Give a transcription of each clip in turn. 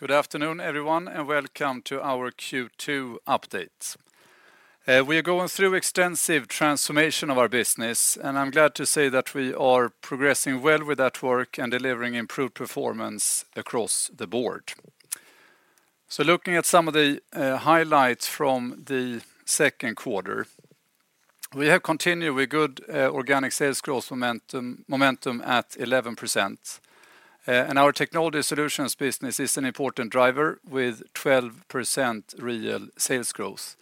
Good afternoon, everyone, and welcome to our Q2 update. We are going through an extensive transformation of our business, and I'm glad to say that we are progressing well with that work and delivering improved performance across the board. Looking at some of the highlights from the second quarter. We have continued with good organic sales growth momentum, at 11%. Our technology solutions business is an important driver, with 12% real sales growth.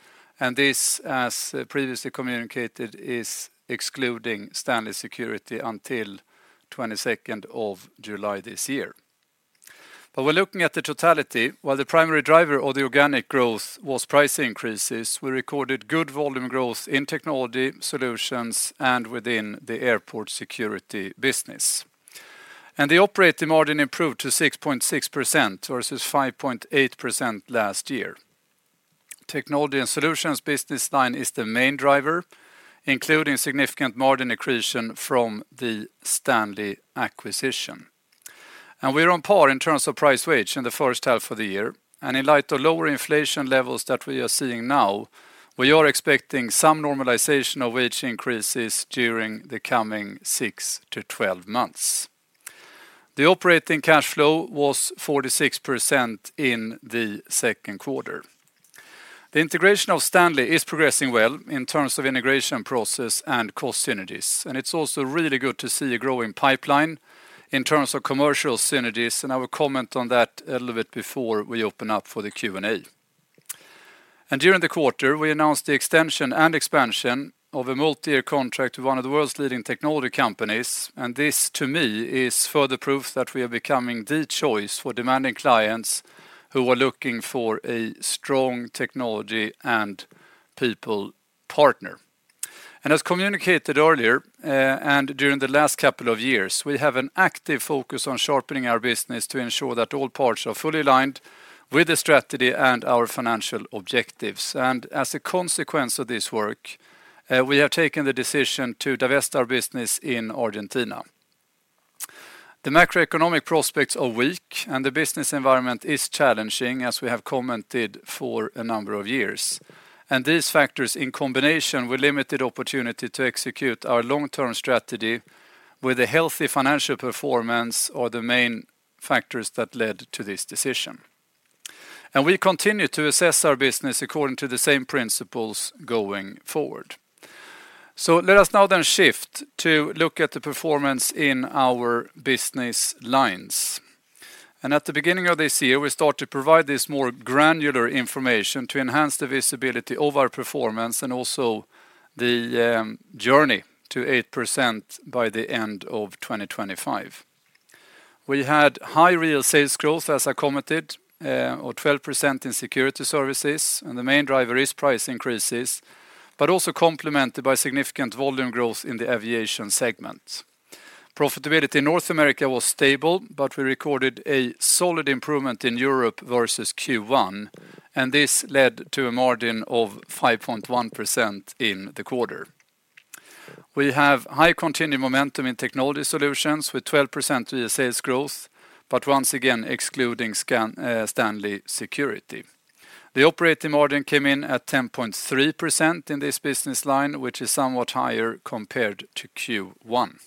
This, as previously communicated, is excluding Stanley Security until 22nd of July this year. We're looking at the totality, while the primary driver of the organic growth was price increases, we recorded good volume growth in technology solutions, and within the airport security business. The operating margin improved to 6.6%, versus 5.8% last year. Technology and Solutions business line is the main driver, including significant margin accretion from the Stanley acquisition. We are on par in terms of price wage in the first half of the year, and in light of lower inflation levels that we are seeing now, we are expecting some normalization of wage increases during the coming six to twelve months. The operating cash flow was 46% in the second quarter. The integration of Stanley is progressing well in terms of integration process and cost synergies, and it's also really good to see a growing pipeline in terms of commercial synergies, and I will comment on that a little bit before we open up for the Q&A. During the quarter, we announced the extension and expansion of a multi-year contract with one of the world's leading technology companies, and this, to me, is further proof that we are becoming the choice for demanding clients who are looking for a strong technology and people partner. As communicated earlier, and during the last couple of years, we have an active focus on sharpening our business to ensure that all parts are fully aligned with the strategy and our financial objectives. As a consequence of this work, we have taken the decision to divest our business in Argentina. The macroeconomic prospects are weak, and the business environment is challenging, as we have commented for a number of years. These factors, in combination with limited opportunity to execute our long-term strategy with a healthy financial performance, are the main factors that led to this decision. We continue to assess our business according to the same principles going forward. Let us now then shift to look at the performance in our business lines. At the beginning of this year, we start to provide this more granular information to enhance the visibility of our performance and also the journey to 8% by the end of 2025. We had high real sales growth, as I commented, or 12% in security services, and the main driver is price increases, but also complemented by significant volume growth in the aviation segment. Profitability in North America was stable, but we recorded a solid improvement in Europe versus Q1, and this led to a margin of 5.1% in the quarter. We have high continued momentum in Technology Solutions, with 12% real sales growth, but once again, excluding Stanley Security. The operating margin came in at 10.3% in this business line, which is somewhat higher compared to Q1.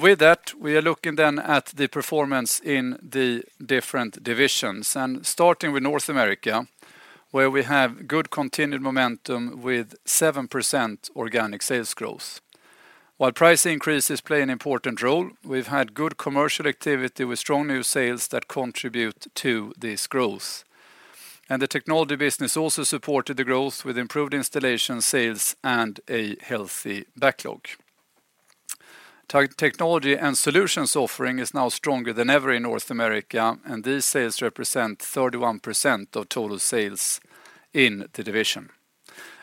With that, we are looking then at the performance in the different divisions, and starting with North America, where we have good continued momentum with 7% organic sales growth. While price increases play an important role, we've had good commercial activity with strong new sales that contribute to this growth. The Technology business also supported the growth with improved installation, sales, and a healthy backlog. Technology and Solutions offering is now stronger than ever in North America, and these sales represent 31% of total sales in the division.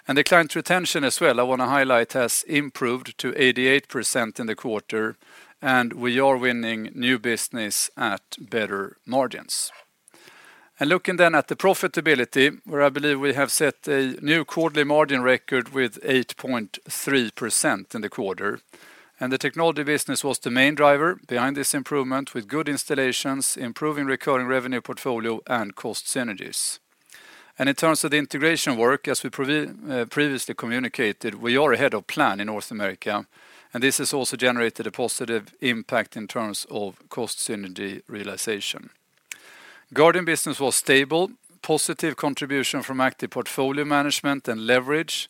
The client retention as well, I want to highlight, has improved to 88% in the quarter, and we are winning new business at better margins. Looking then at the profitability, where I believe we have set a new quarterly margin record with 8.3% in the quarter, and the technology solutions business was the main driver behind this improvement, with good installations, improving recurring revenue portfolio, and cost synergies. In terms of the integration work, as we previously communicated, we are ahead of plan in North America, and this has also generated a positive impact in terms of cost synergy realization. Guarding business was stable, positive contribution from active portfolio management and leverage,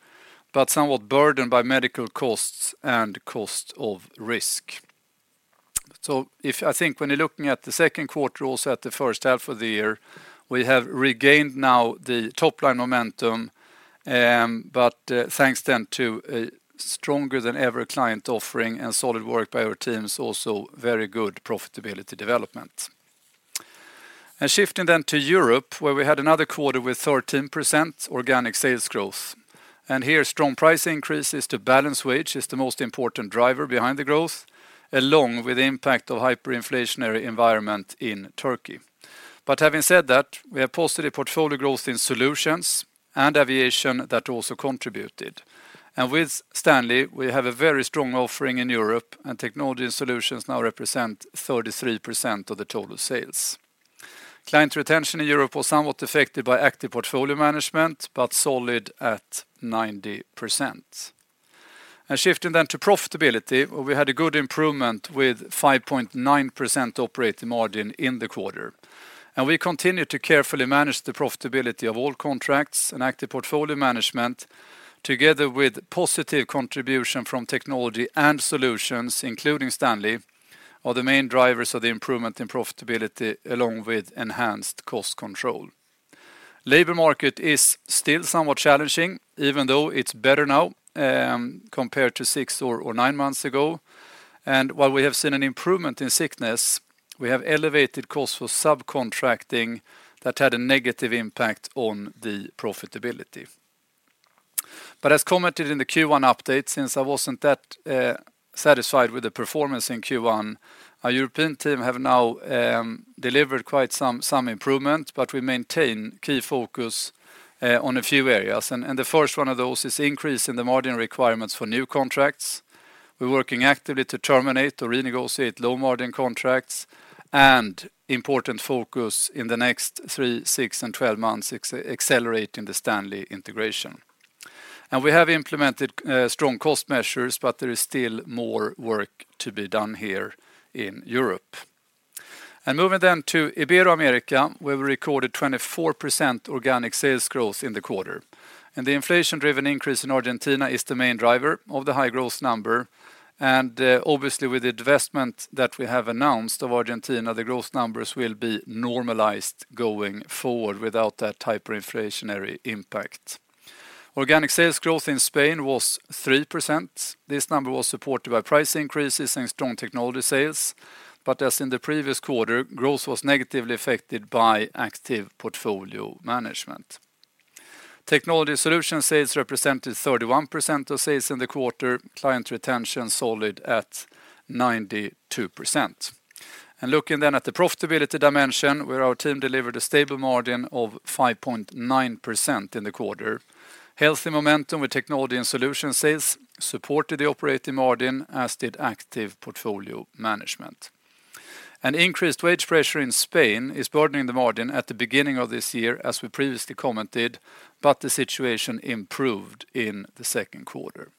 but somewhat burdened by medical costs and cost of risk. If I think when you're looking at the second quarter, also at the first half of the year, we have regained now the top-line momentum, but thanks then to a stronger-than-ever client offering and solid work by our teams, also very good profitability development. Shifting then to Europe, where we had another quarter with 13% organic sales growth, and here, strong price increases to balance wage is the most important driver behind the growth, along with the impact of hyperinflationary environment in Turkey. Having said that, we have positive portfolio growth in solutions and aviation that also contributed. With Stanley, we have a very strong offering in Europe, and Technology and Solutions now represent 33% of the total sales. Client retention in Europe was somewhat affected by active portfolio management, but solid at 90%. Shifting then to profitability, we had a good improvement with 5.9% operating margin in the quarter. We continue to carefully manage the profitability of all contracts, and active portfolio management, together with positive contribution from Technology and Solutions, including Stanley, are the main drivers of the improvement in profitability, along with enhanced cost control. Labor market is still somewhat challenging, even though it's better now, compared to six or nine months ago. While we have seen an improvement in sickness, we have elevated costs for subcontracting that had a negative impact on the profitability. As commented in the Q1 update, since I wasn't that satisfied with the performance in Q1, our European team have now delivered quite some improvement, but we maintain key focus on a few areas. The first one of those is increase in the margin requirements for new contracts. We're working actively to terminate or renegotiate low-margin contracts, and important focus in the next 3, 6, and 12 months, accelerating the Stanley integration. We have implemented strong cost measures, but there is still more work to be done here in Europe. Moving then to Ibero-America, where we recorded 24% organic sales growth in the quarter. The inflation-driven increase in Argentina is the main driver of the high growth number, and, obviously, with the investment that we have announced of Argentina, the growth numbers will be normalized going forward without that hyperinflationary impact. Organic sales growth in Spain was 3%. This number was supported by price increases and strong technology sales, but as in the previous quarter, growth was negatively affected by active portfolio management. Technology Solutions sales represented 31% of sales in the quarter, client retention solid at 92%. Looking then at the profitability dimension, where our team delivered a stable margin of 5.9% in the quarter. Healthy momentum with Technology and Solutions sales supported the operating margin, as did active portfolio management. An increased wage pressure in Spain is burdening the margin at the beginning of this year, as we previously commented, but the situation improved in the second quarter.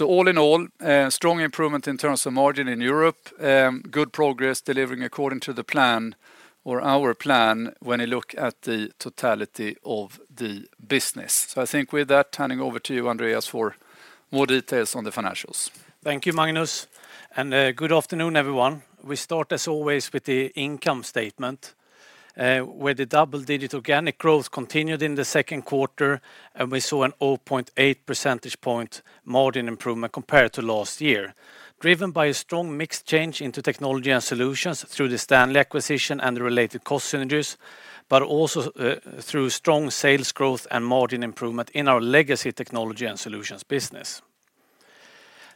All in all, a strong improvement in terms of margin in Europe, good progress delivering according to the plan or our plan when you look at the totality of the business. I think with that, turning over to you, Andreas, for more details on the financials. Thank you, Magnus, and good afternoon, everyone. We start, as always, with the income statement, where the double-digit organic growth continued in the second quarter, and we saw an 0.8 percentage point margin improvement compared to last year. Driven by a strong mixed change into Technology and Solutions through the Stanley acquisition and the related cost synergies, but also, through strong sales growth and margin improvement in our legacy Technology and Solutions business.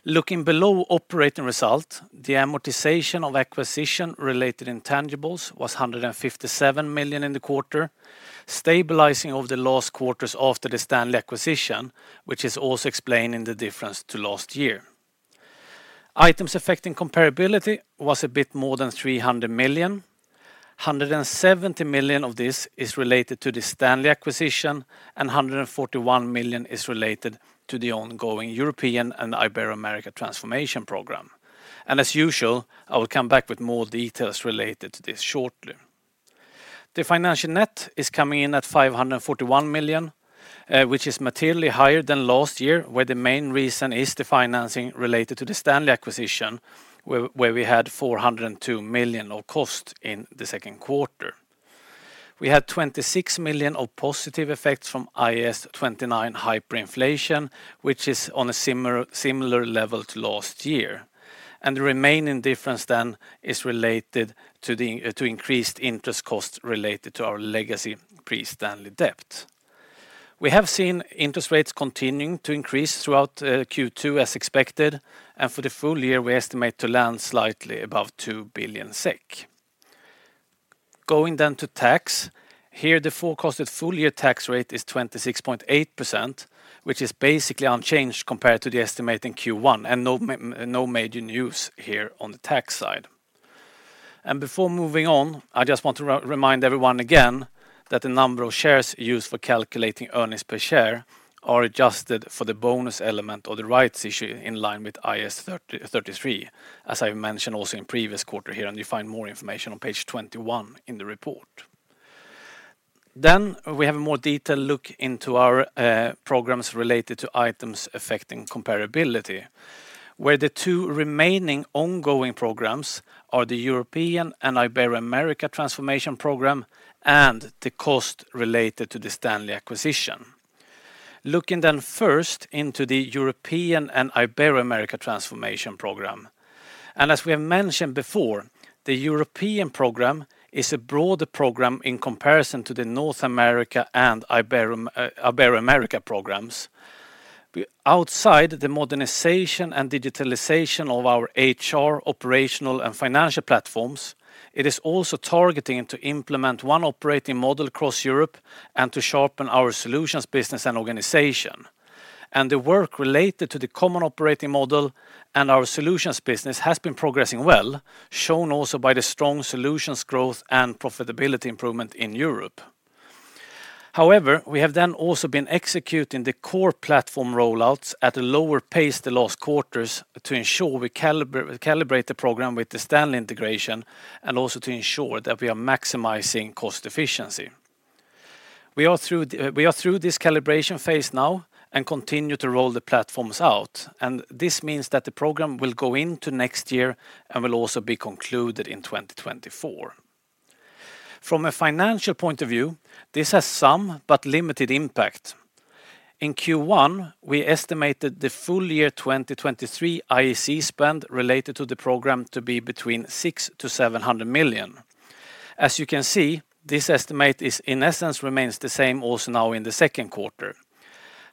Looking below operating result, the amortization of acquisition-related intangibles was $157 million in the quarter, stabilizing over the last quarters after the Stanley acquisition, which is also explained in the difference to last year. Items affecting comparability was a bit more than $300 million. 170 million of this is related to the Stanley acquisition, and 141 million is related to the ongoing European and Ibero-America transformation program. As usual, I will come back with more details related to this shortly. The financial net is coming in at 541 million, which is materially higher than last year, where the main reason is the financing related to the Stanley acquisition, where, where we had 402 million of cost in the second quarter. We had 26 million of positive effects from IAS 29 hyperinflation, which is on a similar, similar level to last year. The remaining difference then is related to increased interest costs related to our legacy pre-Stanley debt. We have seen interest rates continuing to increase throughout Q2 as expected, and for the full year, we estimate to land slightly above 2 billion SEK. Going down to tax, here, the forecasted full-year tax rate is 26.8%, which is basically unchanged compared to the estimate in Q1, and no major news here on the tax side. Before moving on, I just want to remind everyone again that the number of shares used for calculating earnings per share are adjusted for the bonus element or the rights issue in line with IAS 30-33, as I mentioned also in previous quarter here, and you find more information on page 21 in the report. We have a more detailed look into our programs related to items affecting comparability, where the two remaining ongoing programs are the European and Ibero-America Transformation Program and the cost related to the Stanley acquisition. Looking first into the European and Ibero-America Transformation Program. As we have mentioned before, the European program is a broader program in comparison to the North America and Ibero-America programs. Outside the modernization and digitalization of our HR, operational, and financial platforms, it is also targeting to implement one operating model across Europe and to sharpen our solutions, business, and organization. The work related to the common operating model and our solutions business has been progressing well, shown also by the strong solutions growth and profitability improvement in Europe. We have then also been executing the core platform rollouts at a lower pace the last quarters to ensure we calibrate the program with the Stanley Security integration, and also to ensure that we are maximizing cost efficiency. We are through this calibration phase now and continue to roll the platforms out, and this means that the program will go into next year and will also be concluded in 2024. From a financial point of view, this has some but limited impact. In Q1, we estimated the full year 2023 IEC spend related to the program to be between $600 million to $700 million. As you can see, this estimate is, in essence, remains the same also now in the second quarter.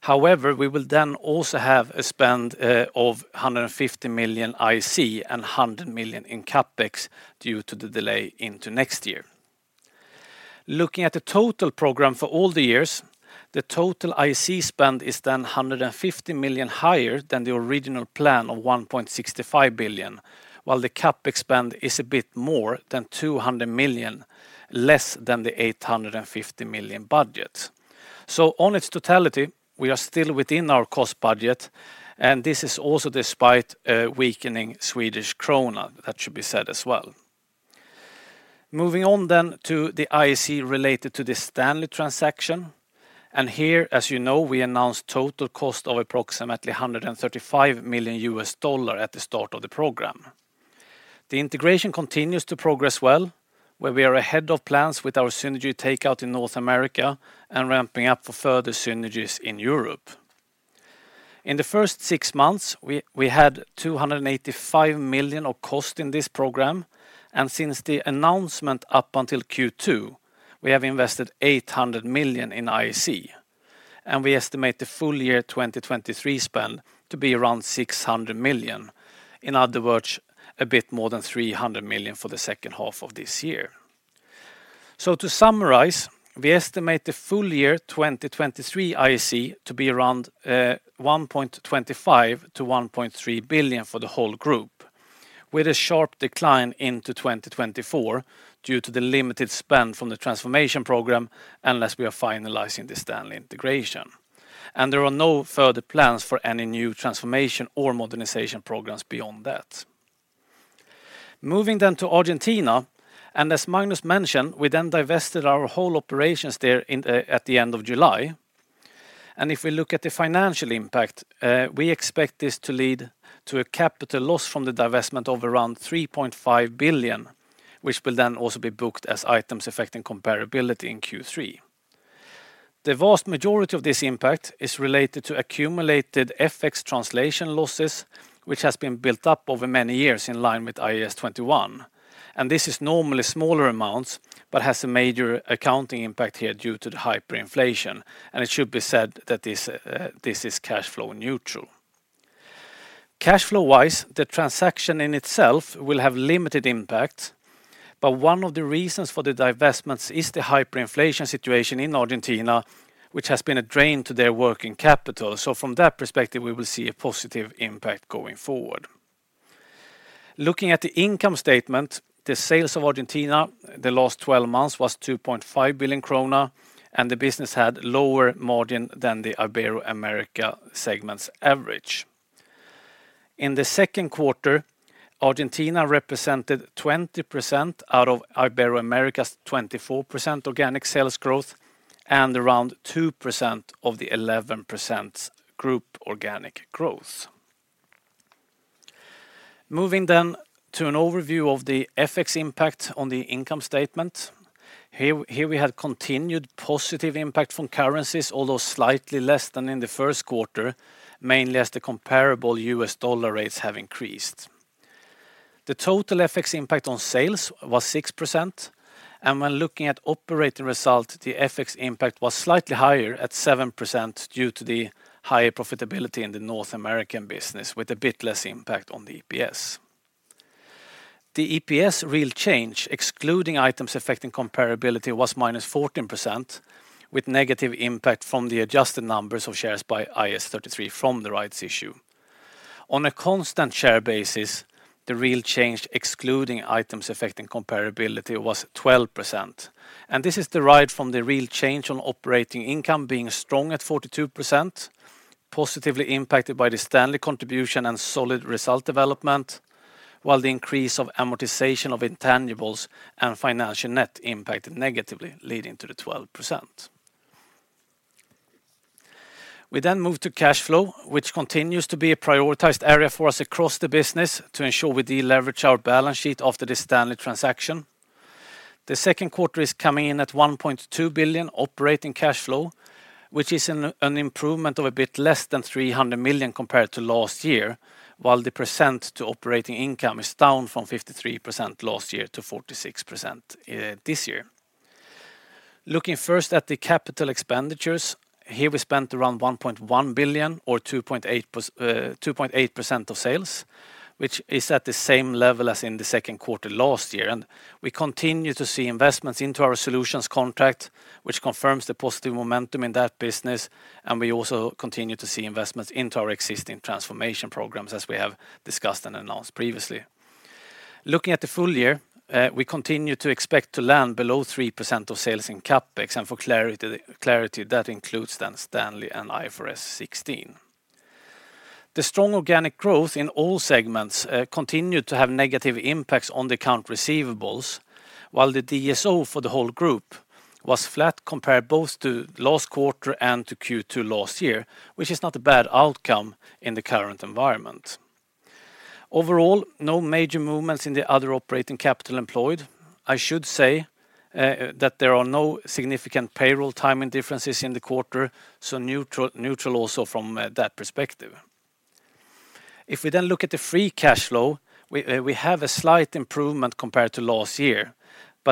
We will then also have a spend of $150 million IEC and $100 million in CapEx due to the delay into next year. Looking at the total program for all the years, the total IEC spend is then $150 million higher than the original plan of $1.65 billion, while the CapEx spend is a bit more than $200 million, less than the $850 million budget. On its totality, we are still within our cost budget, and this is also despite a weakening Swedish krona. That should be said as well. Moving on then to the IEC related to the Stanley transaction, and here, as you know, we announced total cost of approximately $135 million US dollar at the start of the program. The integration continues to progress well, where we are ahead of plans with our synergy takeout in North America and ramping up for further synergies in Europe. In the first six months, we had $285 million of cost in this program. Since the announcement up until Q2, we have invested $800 million in IEC. We estimate the full year 2023 spend to be around $600 million. In other words, a bit more than $300 million for the second half of this year. To summarize, we estimate the full year 2023 IEC to be around $1.25 billion to $1.3 billion for the whole group, with a sharp decline into 2024 due to the limited spend from the transformation program, unless we are finalizing the Stanley integration. There are no further plans for any new transformation or modernization programs beyond that. To Argentina, as Magnus mentioned, we then divested our whole operations there at the end of July. If we look at the financial impact, we expect this to lead to a capital loss from the divestment of around $3.5 billion, which will then also be booked as items affecting comparability in Q3. The vast majority of this impact is related to accumulated FX translation losses, which has been built up over many years in line with IAS 21, this is normally smaller amounts, but has a major accounting impact here due to the hyperinflation, it should be said that this is cash flow neutral. Cash flow-wise, the transaction in itself will have limited impact, but one of the reasons for the divestments is the hyperinflation situation in Argentina, which has been a drain to their working capital. From that perspective, we will see a positive impact going forward. Looking at the income statement, the sales of Argentina, the last 12 months, was 2.5 billion krona, and the business had lower margin than the Ibero-America segment's average. In the second quarter, Argentina represented 20% out of Ibero-America's 24% organic sales growth and around 2% of the 11% group organic growth. Moving to an overview of the FX impact on the income statement. Here we had continued positive impact from currencies, although slightly less than in the first quarter, mainly as the comparable US dollar rates have increased. The total FX impact on sales was 6%, and when looking at operating results, the FX impact was slightly higher at 7% due to the higher profitability in the North American business, with a bit less impact on the EPS. The EPS real change, excluding items affecting comparability, was -14%, with a negative impact from the adjusted numbers of shares by IAS 33 from the rights issue. On a constant share basis, the real change, excluding items affecting comparability, was 12%, and this is derived from the real change on operating income being strong at 42%, positively impacted by the Stanley contribution and solid result development, while the increase of amortization of intangibles and financial net impacted negatively, leading to the 12%. We move to cash flow, which continues to be a prioritized area for us across the business to ensure we deleverage our balance sheet after the Stanley transaction. The second quarter is coming in at $1.2 billion operating cash flow, which is an improvement of a bit less than $300 million compared to last year, while the percent to operating income is down from 53% last year to 46% this year. Looking first at the capital expenditures, here we spent around $1.1 billion or 2.8% of sales, which is at the same level as in the second quarter last year. We continue to see investments into our solutions contract, which confirms the positive momentum in that business, and we also continue to see investments into our existing transformation programs, as we have discussed and announced previously. Looking at the full year, we continue to expect to land below 3% of sales in CapEx, and for clarity, clarity, that includes then Stanley and IFRS 16. The strong organic growth in all segments continued to have negative impacts on the accounts receivable, while the DSO for the whole group was flat compared both to last quarter and to Q2 last year, which is not a bad outcome in the current environment. Overall, no major movements in the other operating capital employed. I should say that there are no significant payroll timing differences in the quarter, so neutral, neutral also from that perspective. We then look at the free cash flow, we have a slight improvement compared to last year.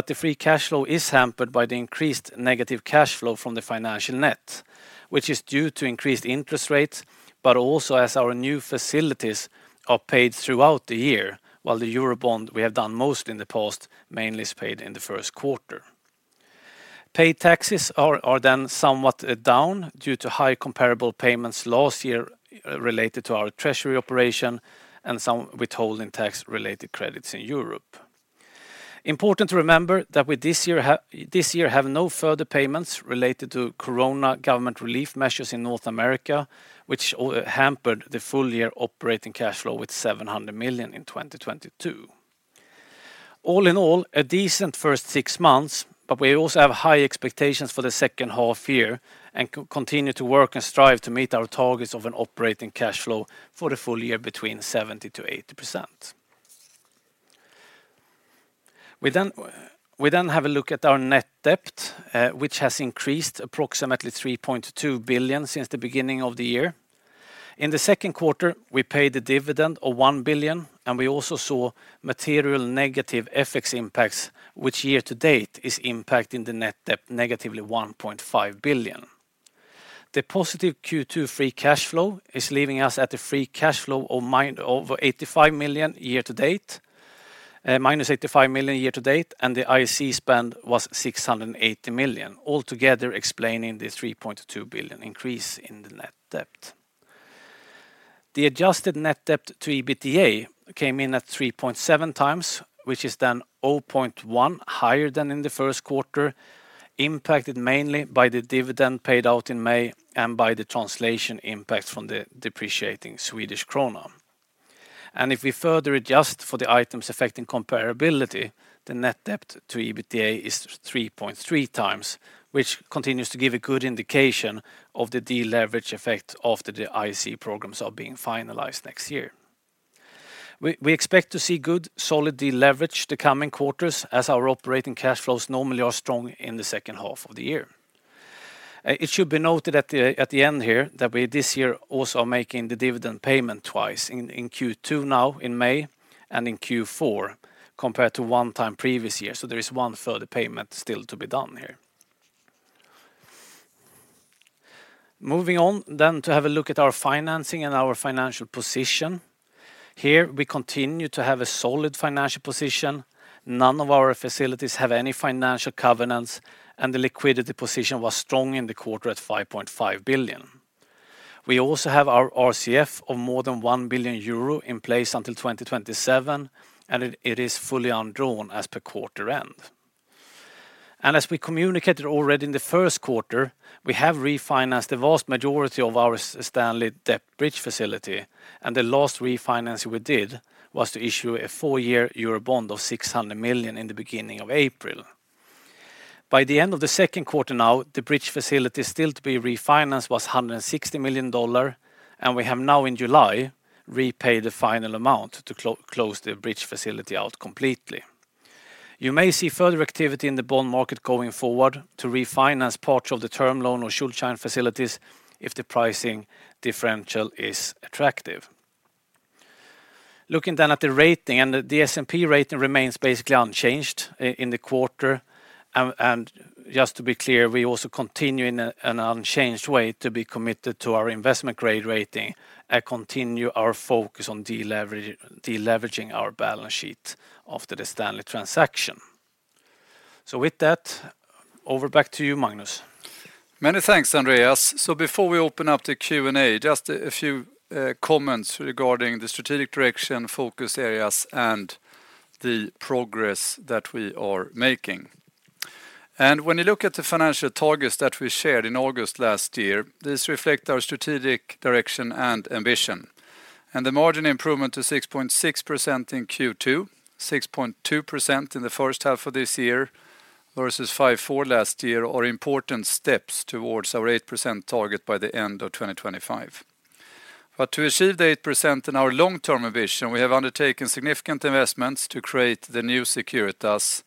The free cash flow is hampered by the increased negative cash flow from the financial net, which is due to increased interest rates. Also as our new facilities are paid throughout the year, while the Eurobond we have done most in the past, mainly is paid in the first quarter. Paid taxes are then somewhat down due to high comparable payments last year, related to our treasury operation and some withholding tax related credits in Europe. Important to remember that we this year have no further payments related to Corona government relief measures in North America, which hampered the full year operating cash flow with 700 million in 2022. All in all, a decent first six months, but we also have high expectations for the second half year, and continue to work and strive to meet our targets of an operating cash flow for the full year between 70%-80%. We then have a look at our net debt, which has increased approximately $3.2 billion since the beginning of the year. In the second quarter, we paid a dividend of $1 billion, and we also saw material negative FX impacts, which year to date, is impacting the net debt negatively $1.5 billion. The positive Q2 free cash flow is leaving us at a free cash flow of over 85 million year to date, -85 million year to date, and the IC spend was 680 million, altogether explaining the 3.2 billion increase in the net debt. The adjusted net debt to EBITDA came in at 3.7x, which is then 0.1 higher than in the first quarter, impacted mainly by the dividend paid out in May and by the translation impact from the depreciating Swedish krona. If we further adjust for the items affecting comparability, the net debt to EBITDA is 3.3x, which continues to give a good indication of the deleverage effect after the IEC programs are being finalized next year. We, we expect to see good, solid deleverage the coming quarters as our operating cash flows normally are strong in the second half of the year. It should be noted at the, at the end here, that we this year also are making the dividend payment twice, in, in Q2 now in May, and in Q4, compared to 1 time previous year. There is 1 further payment still to be done here. Moving on, then, to have a look at our financing and our financial position. Here, we continue to have a solid financial position. None of our facilities have any financial covenants, and the liquidity position was strong in the quarter at 5.5 billion. We also have our RCF of more than 1 billion euro in place until 2027, and it, it is fully undrawn as per quarter end. As we communicated already in the first quarter, we have refinanced the vast majority of our Stanley debt bridge facility, and the last refinancing we did was to issue a four-year Eurobond of 600 million in the beginning of April. By the end of the second quarter now, the bridge facility still to be refinanced was $160 million, we have now in July repaid the final amount to close the bridge facility out completely. You may see further activity in the bond market going forward to refinance parts of the term loan or Schuldschein facilities if the pricing differential is attractive. Looking at the rating, the S&P rating remains basically unchanged in the quarter. Just to be clear, we also continue in an unchanged way to be committed to our investment grade rating, and continue our focus on deleveraging our balance sheet after the Stanley transaction. With that, over back to you, Magnus. Many thanks, Andreas. Before we open up the Q&A, just a few comments regarding the strategic direction, focus areas, and the progress that we are making. When you look at the financial targets that we shared in August last year, these reflect our strategic direction and ambition. The margin improvement to 6.6% in Q2, 6.2% in the first half of this year versus 5.4% last year, are important steps towards our 8% target by the end of 2025. To achieve the 8% in our long-term ambition, we have undertaken significant investments to create the new Securitas,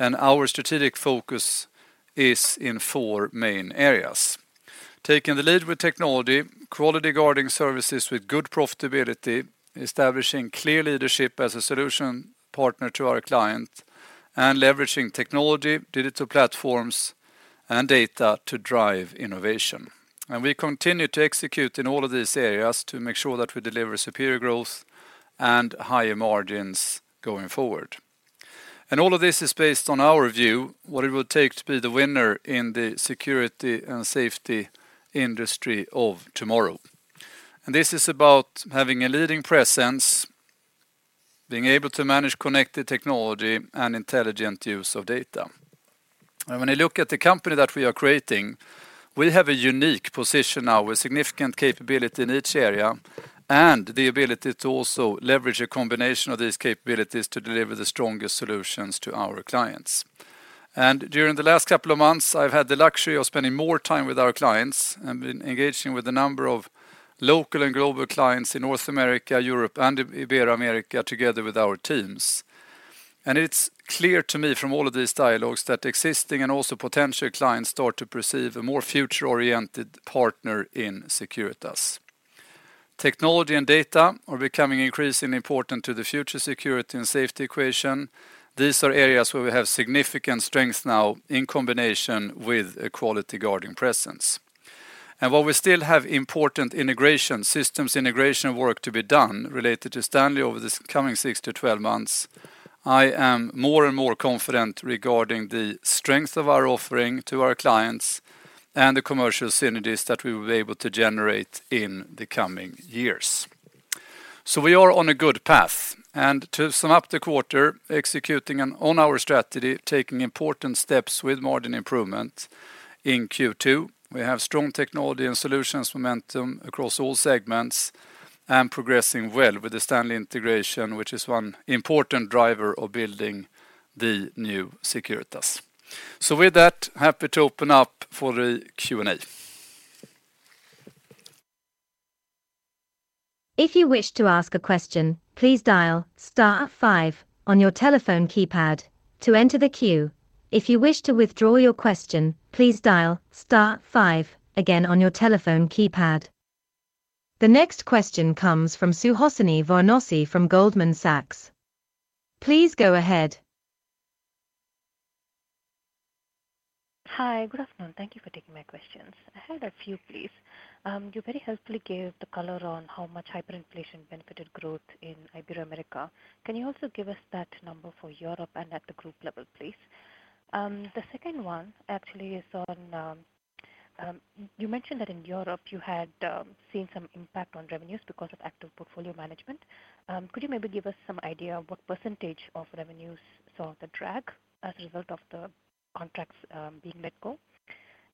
and our strategic focus is in four main areas. Taking the lead with technology, quality guarding services with good profitability, establishing clear leadership as a solution partner to our client, and leveraging technology, digital platforms, and data to drive innovation. We continue to execute in all of these areas to make sure that we deliver superior growth and higher margins going forward. All of this is based on our view, what it would take to be the winner in the security and safety industry of tomorrow. This is about having a leading presence, being able to manage connected technology, and intelligent use of data. When I look at the company that we are creating, we have a unique position now with significant capability in each area, and the ability to also leverage a combination of these capabilities to deliver the strongest solutions to our clients. During the last couple of months, I've had the luxury of spending more time with our clients, and been engaging with a number of local and global clients in North America, Europe, and Ibero-America, together with our teams. It's clear to me from all of these dialogues that existing and also potential clients start to perceive a more future-oriented partner in Securitas. Technology and data are becoming increasingly important to the future security and safety equation. These are areas where we have significant strength now in combination with a quality guarding presence. While we still have important integration, systems integration work to be done related to Stanley over this coming six to twelve months, I am more and more confident regarding the strength of our offering to our clients, and the commercial synergies that we will be able to generate in the coming years. We are on a good path. To sum up the quarter, executing on our strategy, taking important steps with margin improvement in Q2. We have strong Technology and Solutions momentum across all segments, and progressing well with the Stanley integration, which is one important driver of building the new Securitas. With that, happy to open up for the Q&A. If you wish to ask a question, please dial star five on your telephone keypad to enter the queue. If you wish to withdraw your question, please dial star five again on your telephone keypad. The next question comes from Suhasini Varanasi from Goldman Sachs. Please go ahead. Hi. Good afternoon. Thank you for taking my questions. I had a few, please. You very helpfully gave the color on how much hyperinflation benefited growth in Ibero-America. Can you also give us that number for Europe and at the group level, please? The second one actually is, you mentioned that in Europe you had seen some impact on revenues because of active portfolio management. Could you maybe give us some idea of what percentage of revenues saw the drag as a result of the contracts being let go?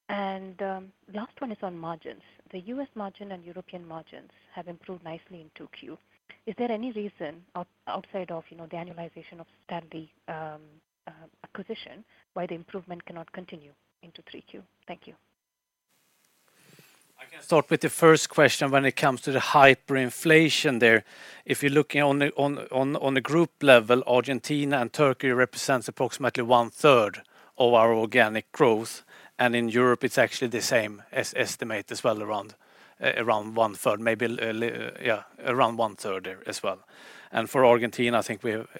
The last one is on margins. The U.S. margin and European margins have improved nicely in 2Q. Is there any reason out- outside of the annualization of Stanley acquisition, why the improvement cannot continue into 3Q? Thank you. I can start with the first question when it comes to the hyperinflation there. If you're looking on the group level, Argentina and Turkey represents approximately one third of our organic growth, and in Europe, it's actually the same as estimated around 1/3 there as well. For Argentina,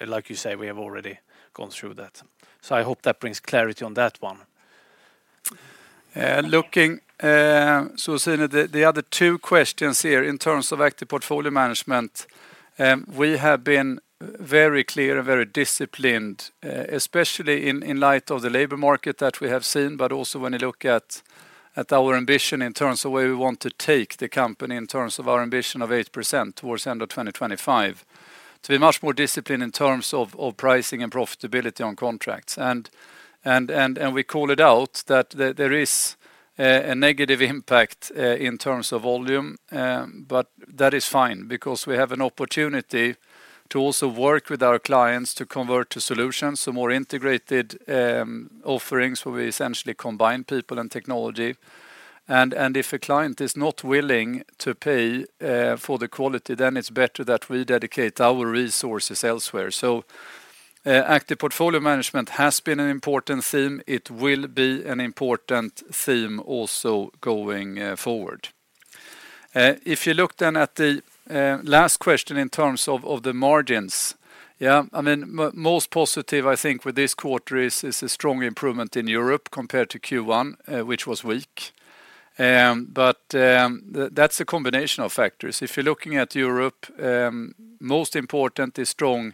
like you say, we have already gone through that. I hope that brings clarity on that one. Looking, Suhasini, the other two questions here in terms of active portfolio management, we have been very clear and very disciplined, especially in light of the labor market that we have seen, but also when you look at our ambition in terms of where we want to take the company, in terms of our ambition of 8% towards end of 2025. To be much more disciplined in terms of, of pricing and profitability on contracts. We call it out that there is a negative impact in terms of volume, but that is fine, because we have an opportunity to also work with our clients to convert to solutions, so more integrated offerings, where we essentially combine people and technology. If a client is not willing to pay for the quality, then it's better that we dedicate our resources elsewhere. Active portfolio management has been an important theme. It will be an important theme also going forward. If you look then at the last question in terms of the margins. Yeah, I mean, most positive, I think, with this quarter is, is a strong improvement in Europe compared to Q1, which was weak. That's a combination of factors. If you're looking at Europe, most important is strong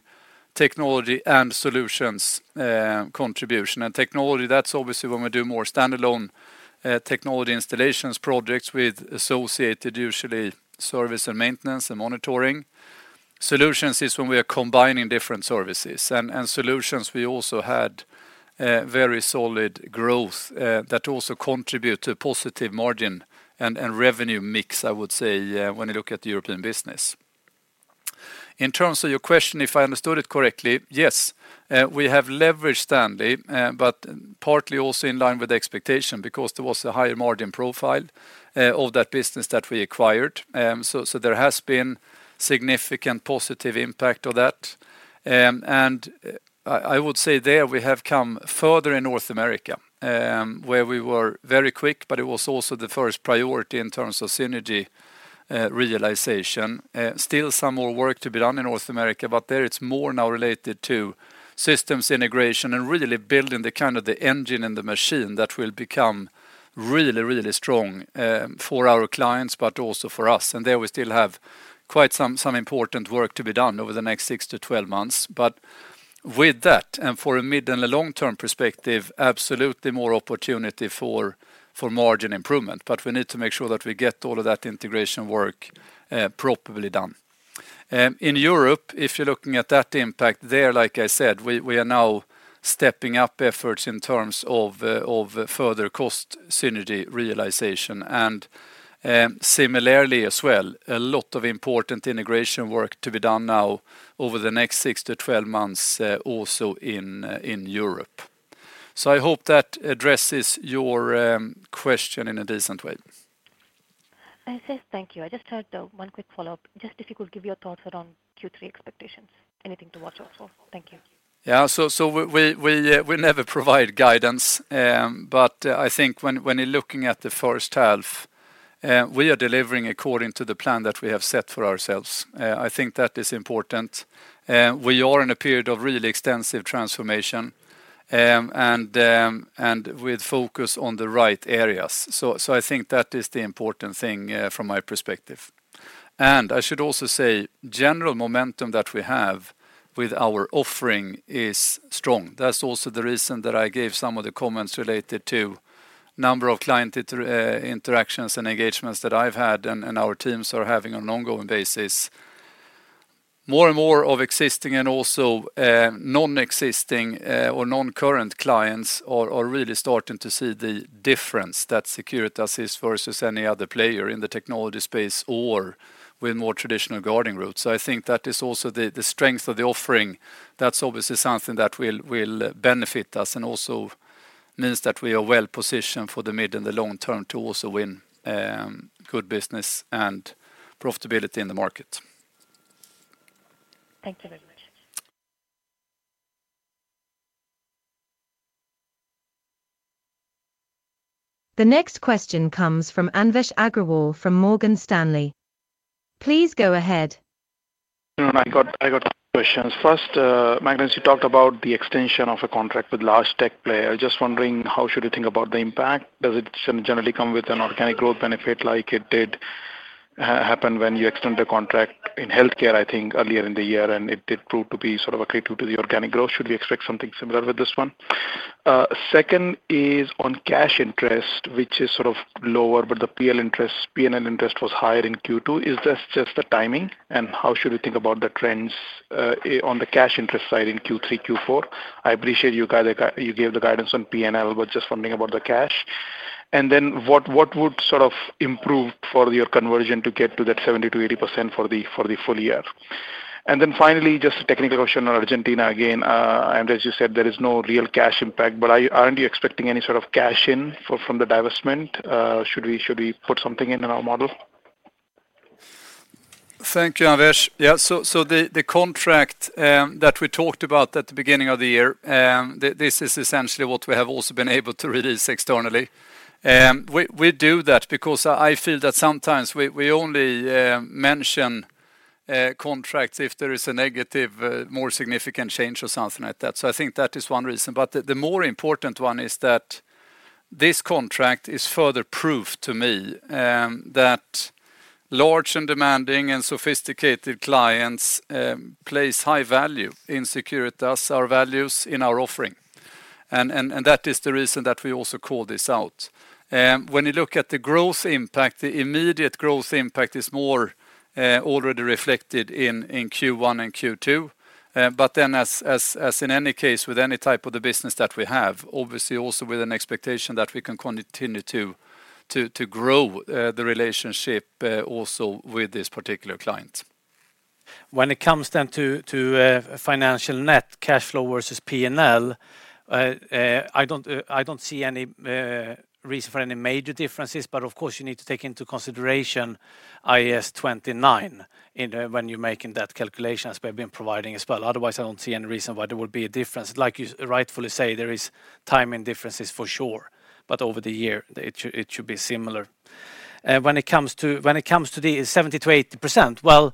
Technology and Solutions contribution. Technology, that's obviously when we do more standalone technology installations projects with associated, usually service and maintenance and monitoring. Solutions is when we are combining different services. Solutions, we also had very solid growth that also contribute to a positive margin and revenue mix, I would say, when you look at the European business. In terms of your question, if I understood it correctly, yes, we have leveraged Stanley, but partly also in line with the expectation, because there was a higher margin profile of that business that we acquired. So there has been significant positive impact of that. I would say there, we have come further in North America, where we were very quick, but it was also the first priority in terms of synergy realization. Still some more work to be done in North America, but there it's more now related to systems integration and really building the kind of the engine and the machine that will become really, really strong for our clients, but also for us. There we still have quite some, some important work to be done over the next six to twelve months. With that, and for a mid- and a long-term perspective, absolutely more opportunity for, for margin improvement. We need to make sure that we get all of that integration work properly done. In Europe, if you're looking at that impact there, like I said, we, we are now stepping up efforts in terms of further cost synergy realization. Similarly as well, a lot of important integration work to be done now over the next 6-12 months, also in Europe. I hope that addresses your question in a decent way. I say thank you. I just had, 1 quick follow-up. Just if you could give your thoughts around Q3 expectations, anything to watch out for? Thank you. Yeah. So, we, we, we never provide guidance. I think when, when you're looking at the first half, we are delivering according to the plan that we have set for ourselves. I think that is important. We are in a period of really extensive transformation, and with focus on the right areas. So, I think that is the important thing, from my perspective. I should also say, general momentum that we have with our offering is strong. That's also the reason that I gave some of the comments related to number of client interactions and engagements that I've had, and our teams are having on an ongoing basis. More and more of existing and also non-existing or non-current clients are really starting to see the difference that Securitas is versus any other player in the technology space or with more traditional guarding routes. I think that is also the strength of the offering. That's obviously something that will benefit us and also means that we are well positioned for the mid and the long term to also win good business and profitability in the market. Thank you very much. The next question comes from Anvesh Agarwal from Morgan Stanley. Please go ahead. I got, I got two questions. First, Magnus, you talked about the extension of a contract with large tech player. Just wondering, how should we think about the impact? Does it generally come with an organic growth benefit, like it did happen when you extend the contract in healthcare, I think earlier in the year, and it did prove to be sort of a breakthrough to the organic growth. Should we expect something similar with this one? Second is on cash interest, which is sort of lower, but the P&L interest, P&L interest was higher in Q2. Is this just the timing, and how should we think about the trends on the cash interest side in Q3, Q4? I appreciate you, you gave the guidance on P&L, but just wondering about the cash. What, what would improve for your conversion to get to that 70%-80% for the full year? Finally, just a technical question on Argentina again. As you said, there is no real cash impact, but aren't you expecting any cash in from the divestment? Should we put something in our model? Thank you, Anvesh. The contract that we talked about at the beginning of the year, this is essentially what we have also been able to release externally. We, we do that because I feel that sometimes we only mention contracts if there is a negative, more significant change or something like that. I think that is one reason. The more important one is that this contract is further proof to me that large and demanding and sophisticated clients place high value in Securitas, our values in our offering. That is the reason that we also call this out. When you look at the growth impact, the immediate growth impact is more already reflected in, in Q1 and Q2. Then as, as, as in any case, with any type of the business that we have, obviously also with an expectation that we can continue to, to, to grow, the relationship, also with this particular client. When it comes then to financial net cash flow versus P&L, I don't see any, reason for any major differences, but of course, you need to take into consideration IAS 29 in, when you're making that calculation, as we've been providing as well. Otherwise, I don't see any reason why there would be a difference. Like you rightfully say, there is timing differences for sure, but over the year it should be similar. When it comes to, when it comes to the 70%-80%, well,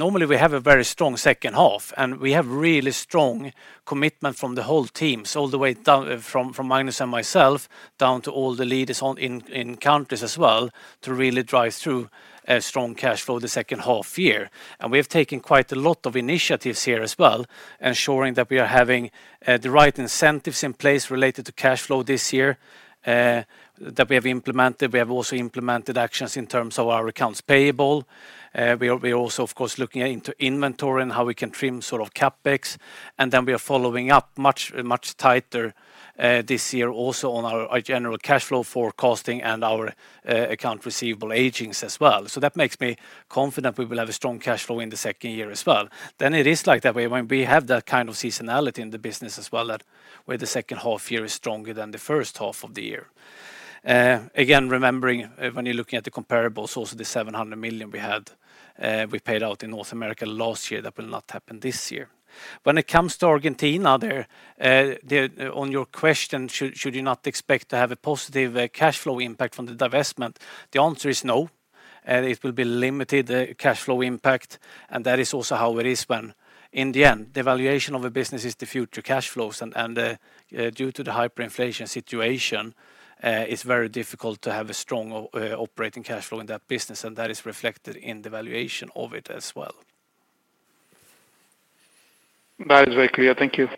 normally, we have a very strong second half, and we have really strong commitment from the whole team. All the way down from Magnus and myself, down to all the leaders on in countries as well, to really drive through a strong cash flow the second half year. We have taken quite a lot of initiatives here as well, ensuring that we are having the right incentives in place related to cash flow this year that we have implemented. We have also implemented actions in terms of our accounts payable. We are also, of course, looking into inventory and how we can trim CapEx. We are following up much tighter this year also on our general cash flow forecasting and our account receivable agings as well. That makes me confident we will have a strong cash flow in the second year as well. It is like that, when we have that kind of seasonality in the business as well, that where the second half year is stronger than the first half of the year. Again, remembering, when you're looking at the comparables, also the $700 million we had, we paid out in North America last year, that will not happen this year. When it comes to Argentina, there, on your question, should you not expect to have a positive cash flow impact from the divestment? The answer is no. It will be limited cash flow impact, and that is also how it is when, in the end, the valuation of a business is the future cash flows. Due to the hyperinflation situation, it's very difficult to have a strong operating cash flow in that business, and that is reflected in the valuation of it as well. That is very clear. Thank you.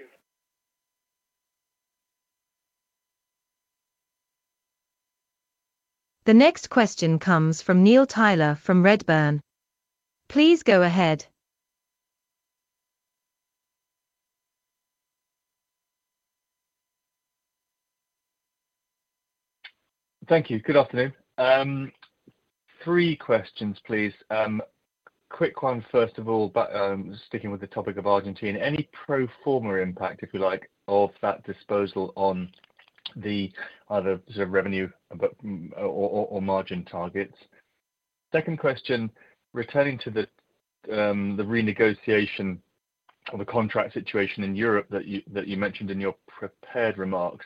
The next question comes from Neil Tyler from Redburn. Please go ahead. Thank you. Good afternoon. 3 questions, please. Quick one, first of all, but sticking with the topic of Argentina, any pro forma impact, if you like, of that disposal on the either sort of revenue or margin targets? Second question, returning to the renegotiation or the contract situation in Europe that you, that you mentioned in your prepared remarks.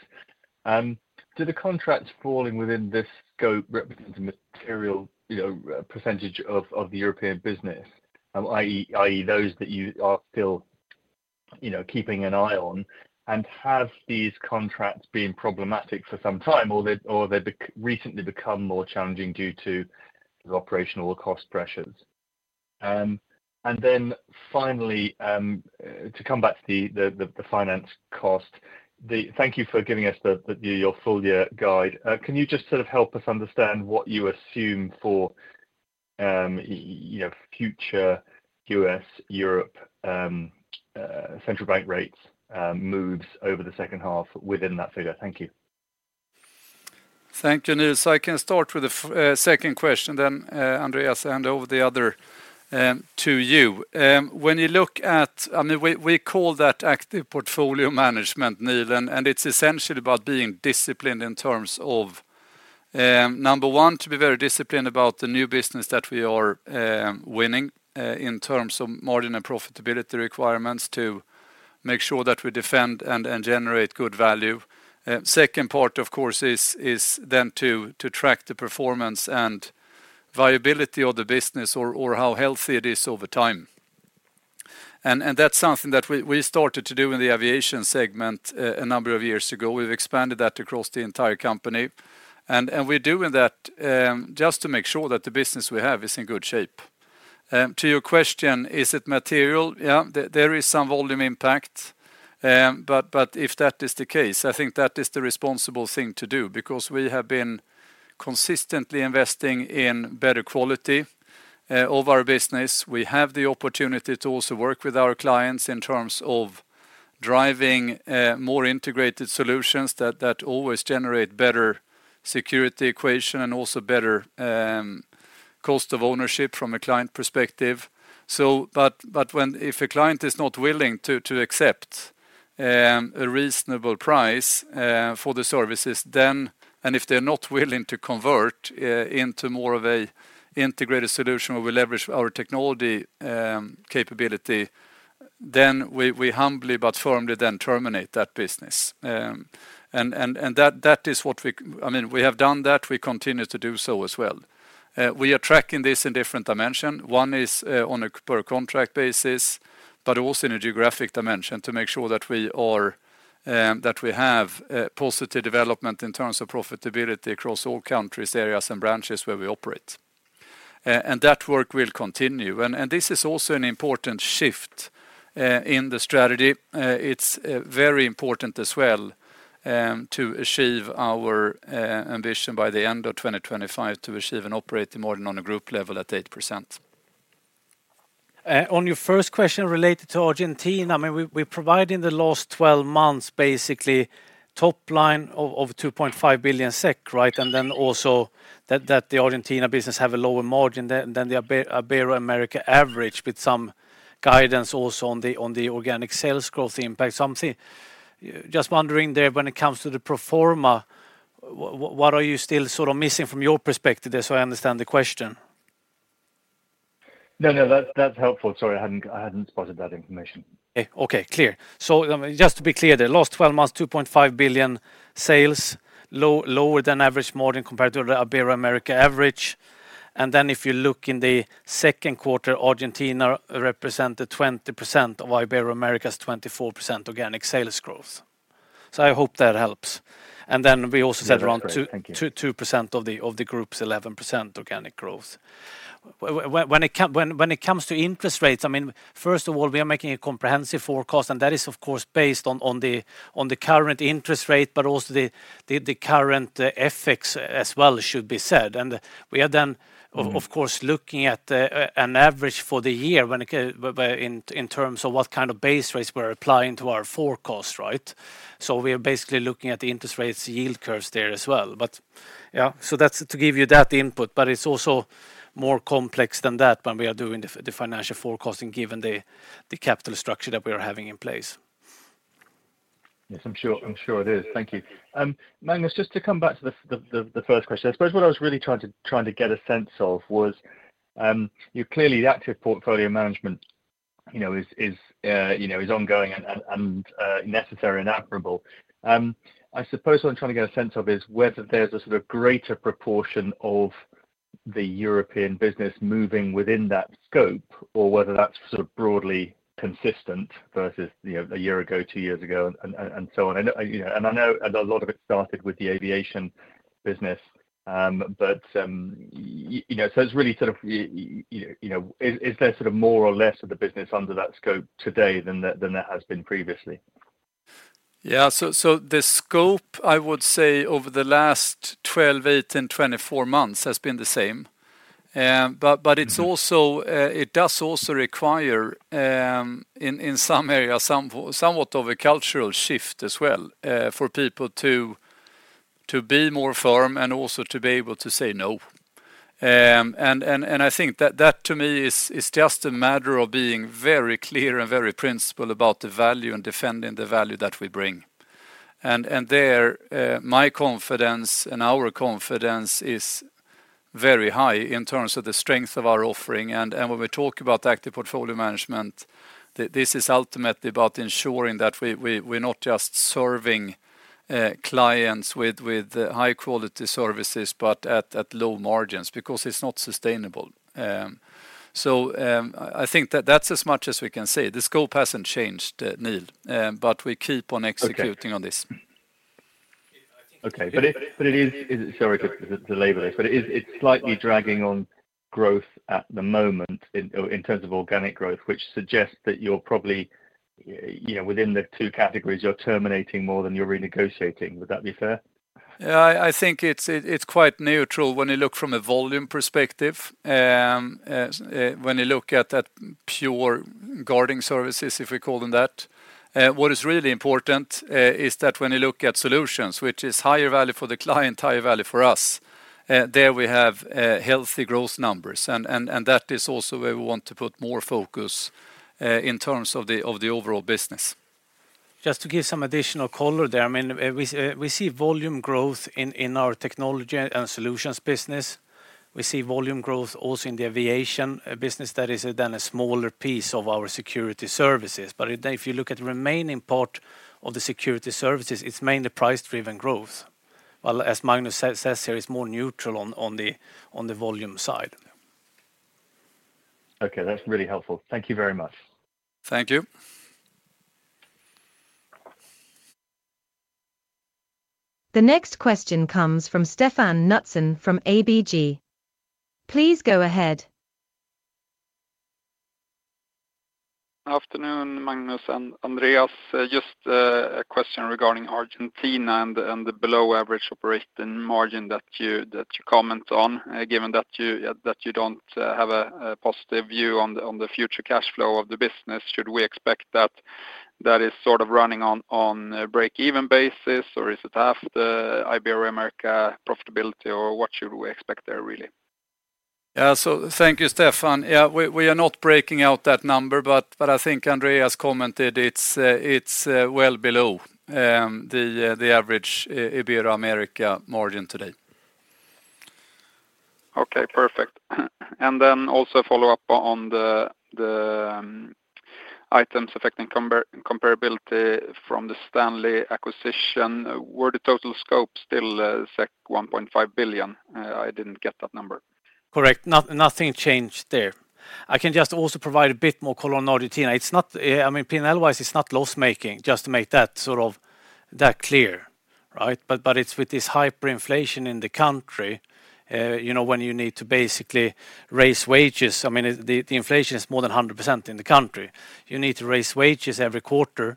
Do the contracts falling within this scope represent a material, you know, percentage of the European business? i.e., those that you are still, you know, keeping an eye on, and have these contracts been problematic for some time, or they recently become more challenging due to the operational or cost pressures? Finally, to come back to the finance cost. Thank you for giving us the, your full year guide. Can you just sort of help us understand what you assume for, you know, future U.S., Europe, central bank rates, moves over the second half within that figure? Thank you. Thank you, Neil. I can start with the second question, then, Andreas, hand over the other to you. I mean, we, we call that active portfolio management, Neil, and, and it's essentially about being disciplined in terms of, number one, to be very disciplined about the new business that we are winning in terms of margin and profitability requirements, to make sure that we defend and, and generate good value. Second part, of course, is, is then to, to track the performance and viability of the business or, or how healthy it is over time. And, and that's something that we, we started to do in the aviation segment, a number of years ago. We've expanded that across the entire company, and, and we're doing that just to make sure that the business we have is in good shape. To your question, is it material? Yeah, there, there is some volume impact, but, but if that is the case, I think that is the responsible thing to do, because we have been consistently investing in better quality of our business. We have the opportunity to also work with our clients in terms of driving more integrated solutions that, that always generate better security equation and also better cost of ownership from a client perspective. When, if a client is not willing to accept a reasonable price for the services, and if they're not willing to convert into more of a integrated solution where we leverage our technology capability, then we humbly but firmly terminate that business. That is what we-- I mean, we have done that. We continue to do so as well. We are tracking this in different dimension. One is on a per contract basis, but also in a geographic dimension, to make sure that we are that we have positive development in terms of profitability across all countries, areas, and branches where we operate. That work will continue. This is also an important shift in the strategy. It's very important as well to achieve our ambition by the end of 2025, to achieve an operating margin on a group level at 8%. On your first question related to Argentina, we provided in the last 12 months, basically, top line of 2.5 billion SEK, right? Also that the Argentina business have a lower margin than the Ibero-America average, with some guidance also on the organic sales growth impact. I'm just wondering there, when it comes to the pro forma, what are you still sort of missing from your perspective there, so I understand the question? No that's helpful. Sorry, I hadn't spotted that information. Okay, clear. Just to be clear there, last 12 months, $2.5 billion sales, lower than average margin compared to the Iber America average. If you look in the second quarter, Argentina represented 20% of Iber America's 24% organic sales growth. I hope that helps. We also said around 2% of the, of the group's 11% organic growth. When it comes to interest rates, I mean, first of all, we are making a comprehensive forecast, and that is, of course, based on the current interest rate, but also the current effects as well, should be said. And we are then of course, looking at an average for the year when it in terms of what base rates we're applying to our forecast, right? We are basically looking at the interest rates yield curves there as well. Yeah, so that's to give you that input, but it's also more complex than that when we are doing the financial forecasting, given the, the capital structure that we are having in place. Yes, I'm sure it is. Thank you. Magnus, just to come back to the first question. I suppose what I was really trying to, trying to get a sense of was, you clearly the active portfolio management is ongoing and necessary and admirable. I suppose what I'm trying to get a sense of is whether there's a greater proportion of the European business moving within that scope, or whether that's broadly consistent versus a year ago, two years ago and so on. I know a lot of it started with the aviation business. It's really is there more or less of the business under that scope today than there has been previously? Yeah. The scope, I would say, over the last 12, 8, and 24 months has been the same. But it's also, it does also require in some areas, somewhat of a cultural shift as well, for people to be more firm and also to be able to say no. And, that to me is just a matter of being very clear and very principled about the value and defending the value that we bring. And there, my confidence and our confidence is very high in terms of the strength of our offering. And when we talk about active portfolio management, this is ultimately about ensuring that we're not just serving clients with high-quality services, but at low margins, because it's not sustainable. I think that that's as much as we can say. The scope hasn't changed, Neil, but we keep on executing on this. Okay. It, but it is, Sorry to label this, but it's slightly dragging on growth at the moment in terms of organic growth, which suggests that you're probably, you know, within the two categories, you're terminating more than you're renegotiating. Would that be fair? It's quite neutral when you look from a volume perspective, when you look at that pure guarding services, if we call them that. What is really important, is that when you look at Solutions, which is higher value for the client, higher value for us, there we have, healthy growth numbers and that is also where we want to put more focus, in terms of the overall business. Just to give some additional color there, I mean, we see volume growth in our Technology and Solutions business. We see volume growth also in the aviation business. That is then a smaller piece of our security services. If you look at the remaining part of the security services, it's mainly price-driven growth. Well, as Magnus says here, it's more neutral on the volume side. Okay, that's really helpful. Thank you very much. Thank you. The next question comes from Stefan Knutsson from ABG. Please go ahead. Afternoon, Magnus and Andreas. Just a question regarding Argentina and the, and the below average operating margin that you, commented on, given that you, that you don't, have a positive view on the, on the future cash flow of the business. Should we expect that that is sort of running on a break-even basis, or is it half the Ibero-America profitability, or what should we expect there, really? Thank you, Stefan. We, we are not breaking out that number, but I think Andreas commented it's well below the average Ibero-America margin today. Okay, perfect. Then also follow up on the items affecting comparability from the Stanley acquisition. Were the total scope still set $1.5 billion? I didn't get that number. Correct. Nothing changed there. I can just also provide a bit more color on Argentina. P&L-wise, it's not loss-making, just to make that clear, right. It's with this hyperinflation in the country when you need to basically raise wages the inflation is more than 100% in the country. You need to raise wages every quarter,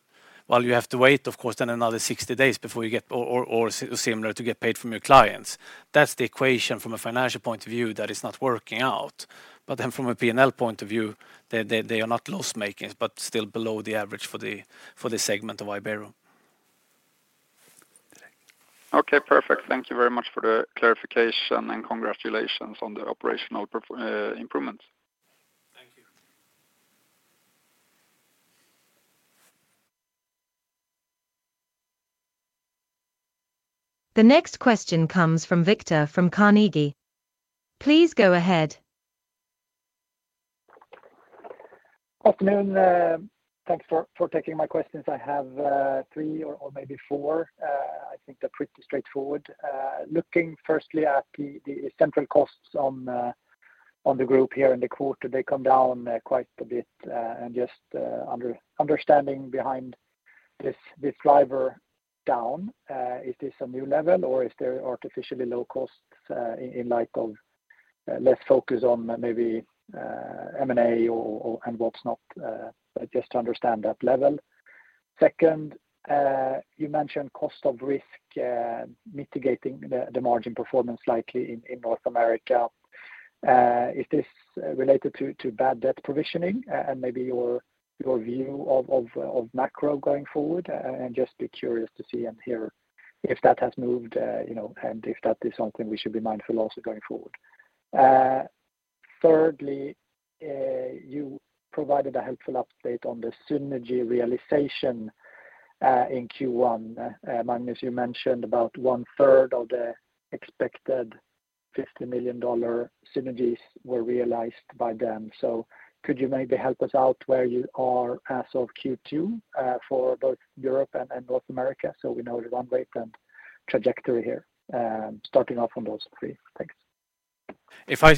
while you have to wait then another 60 days before you get or similar to get paid from your clients. That's the equation from a financial point of view that is not working out. From a P&L point of view they are not loss-making, but still below the average for the segment of Ibero. Okay, perfect. Thank you very much for the clarification, and congratulations on the operational improvements. Thank you. The next question comes from Victor, from Carnegie. Please go ahead. Afternoon. Thanks for taking my questions. I have, three or maybe four. I think they're pretty straightforward. Looking firstly at the central costs on the group here in the quarter, they come down, quite a bit. And just, understanding behind this, this driver down, is this a new level, or is there artificially low costs, in light of, less focus on maybe, M&A or and what's not, just to understand that level. Second, you mentioned cost of risk, mitigating the margin performance slightly in North America. Is this related to, to bad debt provisioning and maybe your view of macro going forward? Just be curious to see and hear if that has moved and if that is something we should be mindful also going forward. Thirdly, you provided a helpful update on the synergy realization in Q1. Magnus, you mentioned about 1/3 of the expected $50 million synergies were realized by then. Could you maybe help us out where you are as of Q2 for both Europe and North America, so we know the runway and trajectory here, starting off on those three? Thanks.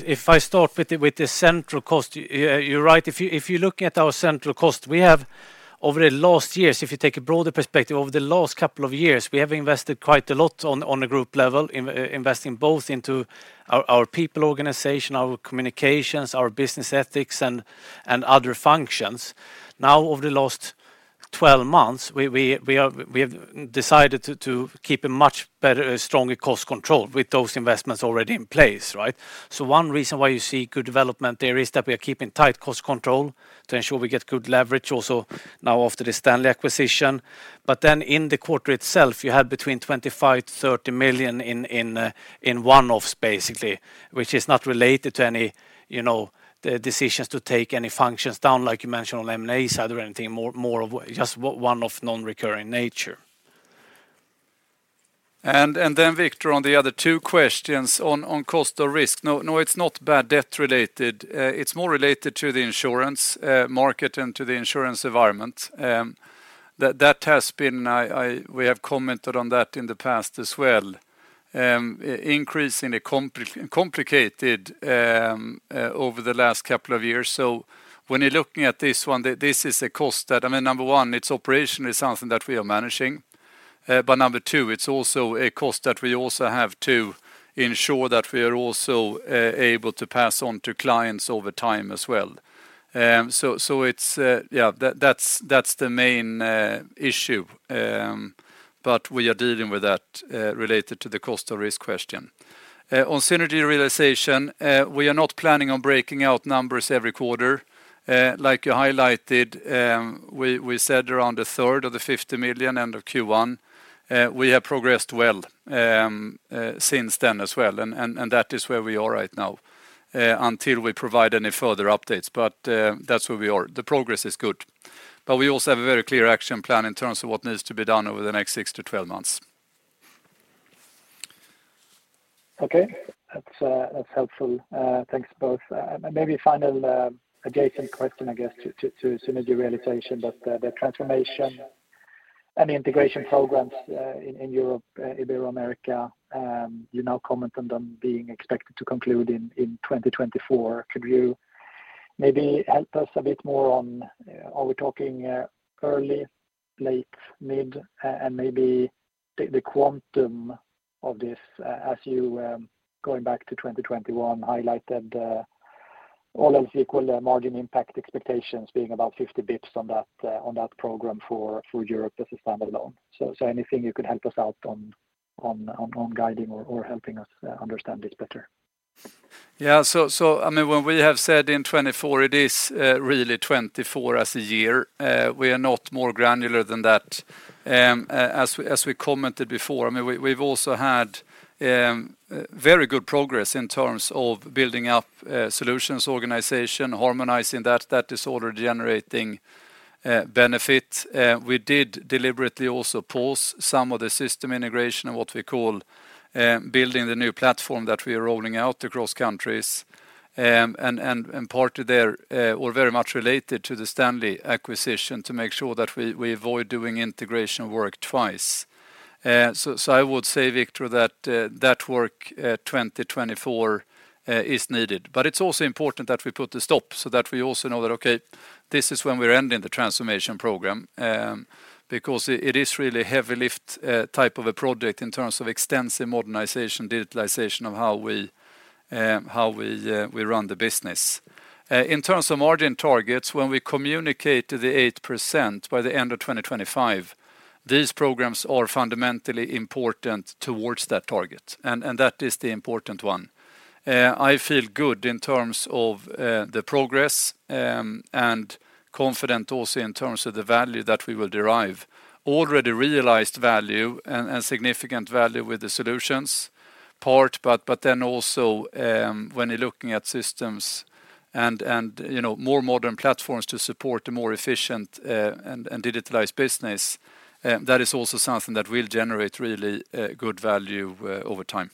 If I start with the the central cost, you're right. If you look at our central cost, we have over the last years, if you take a broader perspective, over the last couple of years, we have invested quite a lot on a group level, in investing both into our people organization, our communications, our business ethics and other functions. Now, over the last 12 months, we have decided to, to keep a much better, stronger cost control with those investments already in place, right? So one reason why you see good development there is that we are keeping tight cost control to ensure we get good leverage also now after the Stanley acquisition. Then in the quarter itself, you had between $25 million to $30 million in one-offs, basically, which is not related to any decisions to take any functions down, like you mentioned on M&A side or anything more of just one-off non-recurring nature. Victor, on the other two questions, on cost or risk. No, it's not bad debt-related. It's more related to the insurance market and to the insurance environment. We have commented on that in the past as well. Increasing and complicated over the last couple of years. When you're looking at this one, this is a cost that, I mean, number one, it's operationally something that we are managing. Number two, it's also a cost that we also have to ensure that we are also able to pass on to clients over time as well. That's the main issue. We are dealing with that, related to the cost or risk question. On synergy realization, we are not planning on breaking out numbers every quarter. Like you highlighted we said around a third of the $50 million end of Q1. We have progressed well since then as well, and that is where we are right now, until we provide any further updates. That's where we are. The progress is good. We also have a very clear action plan in terms of what needs to be done over the next 6-12 months. Okay. That's, helpful. Thanks, both. Maybe final, adjacent question, to synergy realization, but the transformation and integration programs in Europe, Ibero-America, you now comment on them being expected to conclude in 2024. Could you maybe help us a bit more on, are we talking, early, late, mid, and maybe the, the quantum of this, as you, going back to 2021, highlighted, all else equal, margin impact expectations being about 50 bips on that program for Europe as a standalone? Anything you could help us out on guiding or helping us understand this better? When we have said in 2024, it is really 2024 as a year. We are not more granular than that. As we commented before we've also had very good progress in terms of building up solutions, organization, harmonizing that. That is already generating benefit. We did deliberately also pause some of the system integration and what we call building the new platform that we are rolling out across countries. Partly there, or very much related to the Stanley acquisition, to make sure that we avoid doing integration work twice. I would say, Victor, that work, 2024, is needed. It's also important that we put a stop so that we also know that this is when we're ending the transformation program, because it is really heavy lift type of a project in terms of extensive modernization, digitalization of how we run the business. In terms of margin targets, when we communicate the 8% by the end of 2025, these programs are fundamentally important towards that target and that is the important one. I feel good in terms of the progress, and confident also in terms of the value that we will derive. Already realized value and significant value with the solutions part, but then also, when you're looking at systems and, you know, more modern platforms to support a more efficient and digitalized business, that is also something that will generate really good value over time.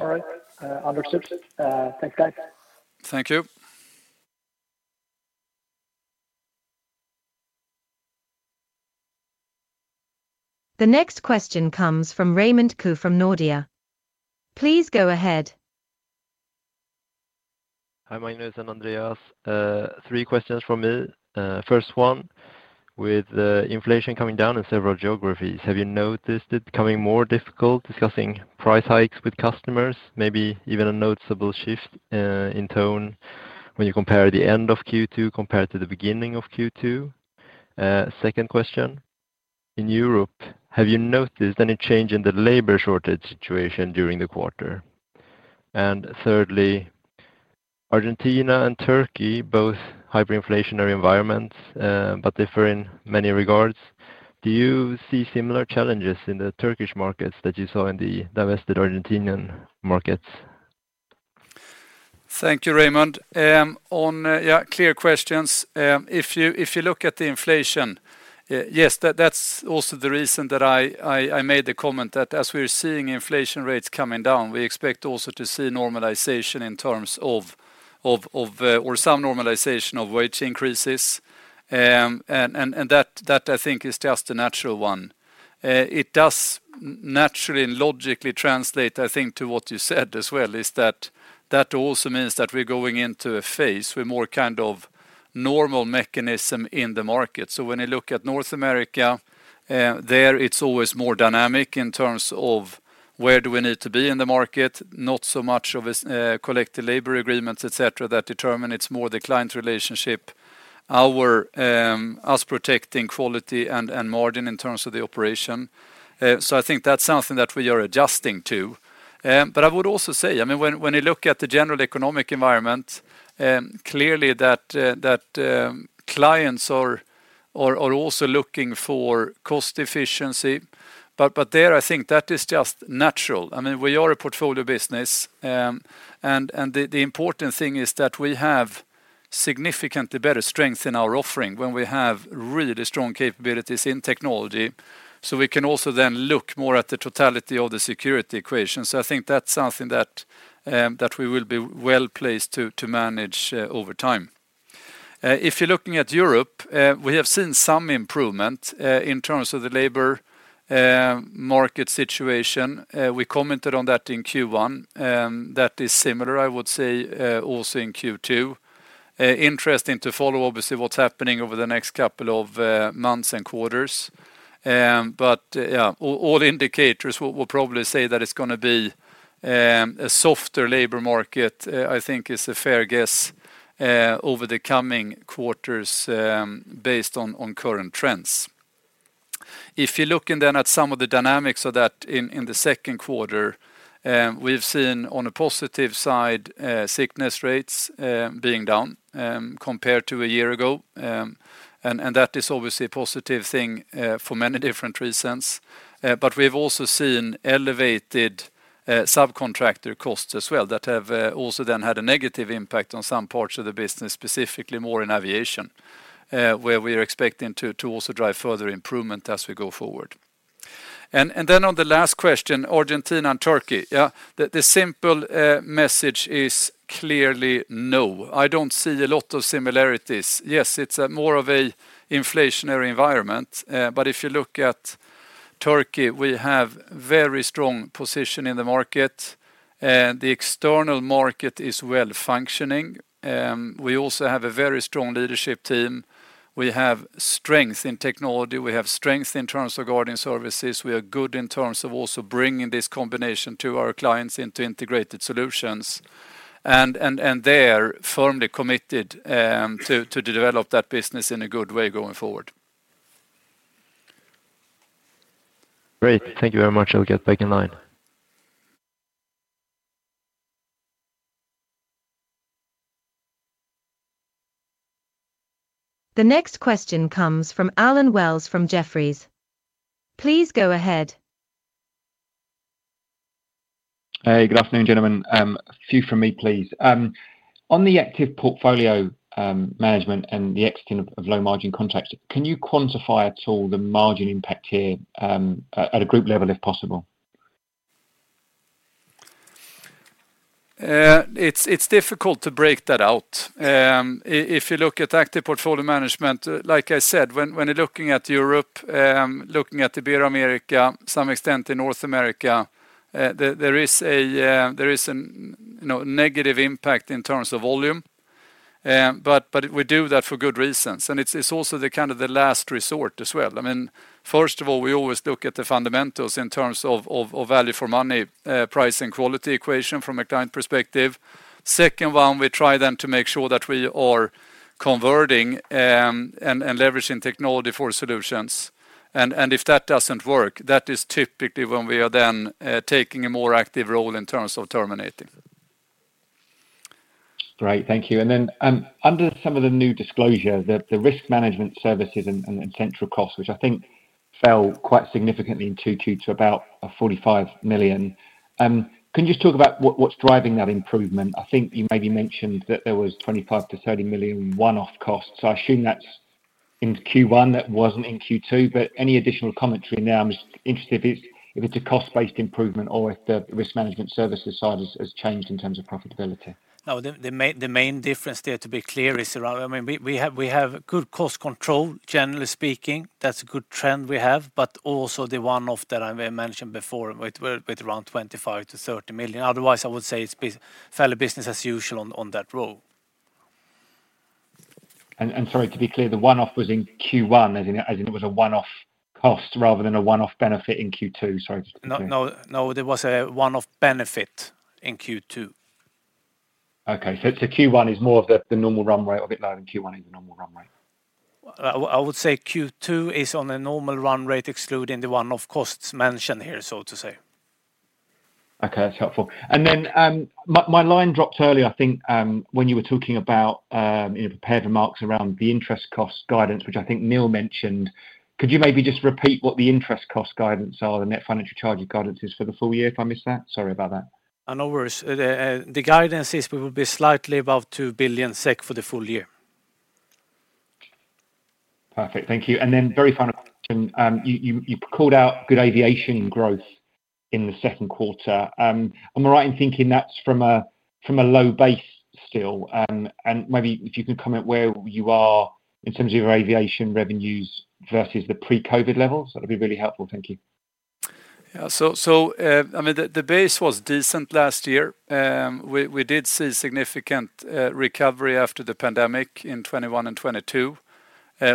All right. Understood. Thanks, guys. Thank you. The next question comes from Raymond Koo from Nordea. Please go ahead. Hi, Magnus and Andreas. Three questions from me. First one, with inflation coming down in several geographies, have you noticed it becoming more difficult discussing price hikes with customers, maybe even a noticeable shift in tone when you compare the end of Q2 compared to the beginning of Q2? Second question, in Europe, have you noticed any change in the labor shortage situation during the quarter? Thirdly, Argentina and Turkey, both hyperinflationary environments, but differ in many regards. Do you see similar challenges in the Turkish markets that you saw in the divested Argentinian markets? Thank you, Raymond. On, yeah, clear questions. If you look at the inflation, yes, that's also the reason that I made the comment that as we are seeing inflation rates coming down, we expect also to see normalization in terms of or some normalization of wage increases. I think, is just a natural one. It does naturally and logically translate, I think to what you said as well, is that also means that we're going into a phase with more kind of normal mechanism in the market. When you look at North America, there, it's always more dynamic in terms of where do we need to be in the market, not so much of a collective labor agreements, et cetera, that determine. It's more the client relationship, our us protecting quality and margin in terms of the operation. I think that's something that we are adjusting to. I would also say, I mean, when you look at the general economic environment, clearly that clients are also looking for cost efficiency. There, I think that is just natural. I mean, we are a portfolio business, and the important thing is that we have significantly better strength in our offering when we have really strong capabilities in technology. We can also then look more at the totality of the security equation. I think that's something that we will be well-placed to, to manage over time. If you're looking at Europe, we have seen some improvement in terms of the labor market situation. We commented on that in Q1, that is similar, I would say, also in Q2. Interesting to follow, obviously, what's happening over the next couple of months and quarters. Yeah, all indicators will probably say that it's gonna be a softer labor market, I think is a fair guess, over the coming quarters, based on current trends. If you're looking then at some of the dynamics of that in the second quarter, we've seen on a positive side, sickness rates being down compared to a year ago. That is obviously a positive thing for many different reasons. We've also seen elevated subcontractor costs as well, that have also then had a negative impact on some parts of the business, specifically more in aviation, where we are expecting to also drive further improvement as we go forward. Then on the last question, Argentina and Turkey. Yeah, the simple message is clearly no. I don't see a lot of similarities. Yes, it's a more of a inflationary environment, but if you look at Turkey, we have very strong position in the market, the external market is well functioning. We also have a very strong leadership team. We have strength in technology, we have strength in terms of guarding services. We are good in terms of also bringing this combination to our clients into integrated solutions and they are firmly committed to develop that business in a good way going forward. Great. Thank you very much. I'll get back in line. The next question comes from Alan Wells, from Jefferies. Please go ahead. Hey, good afternoon, gentlemen. A few from me, please. On the active portfolio, management and the exiting of low-margin contracts, can you quantify at all the margin impact here at a group level, if possible? It's difficult to break that out. If you look at active portfolio management, like I said, when you're looking at Europe, looking at the Ibero-America, some extent in North America there is a negative impact in terms of volume. But we do that for good reasons, and it's also the the last resort as well. I mean, first of all, we always look at the fundamentals in terms of value for money, price and quality equation from a client perspective. Second one, we try then to make sure that we are converting and leveraging technology for solutions. And if that doesn't work, that is typically when we are then, taking a more active role in terms of terminating. Great, thank you. Then, under some of the new disclosure, the risk management services and central costs, which I think fell quite significantly in Q2 to about 45 million. Can you just talk about what's driving that improvement? I think you maybe mentioned that there was 25 million to 30 million one-off costs, so I assume that's in Q1, that wasn't in Q2. Any additional commentary? Now, I'm just interested if it's, if it's a cost-based improvement or if the risk management services side has changed in terms of profitability. No, the main, the main difference there, to be clear, is around we have good cost control, generally speaking. That's a good trend we have, but also the one-off that I may mentioned before, with around $25 million to $30 million. Otherwise, I would say it's fairly business as usual on that role. Sorry, to be clear, the one-off was in Q1, as in, as in it was a one-off cost rather than a one-off benefit in Q2? Sorry, just to be clear. No, there was a one-off benefit in Q2. Okay. So Q1 is more of the normal runway or a bit lower than Q1 is the normal runway? I would say Q2 is on a normal run rate, excluding the one-off costs mentioned here, so to say. Okay, that's helpful. My, my line dropped earlier when you were talking about prepared remarks around the interest cost guidance, which I think Neil mentioned. Could you maybe just repeat what the interest cost guidance are, the net financial charge guidance is for the full year, if I missed that? Sorry about that. Oh, no worries. The guidance is we will be slightly above 2 billion SEK for the full year. Perfect. Thank you. Very final question. You called out good aviation growth in the second quarter. Am I right in thinking that's from a low base still? Maybe if you can comment where you are in terms of your aviation revenues versus the pre-COVID levels, that'd be really helpful. Thank you. The base was decent last year. We did see significant recovery after the pandemic in 2021 and 2022.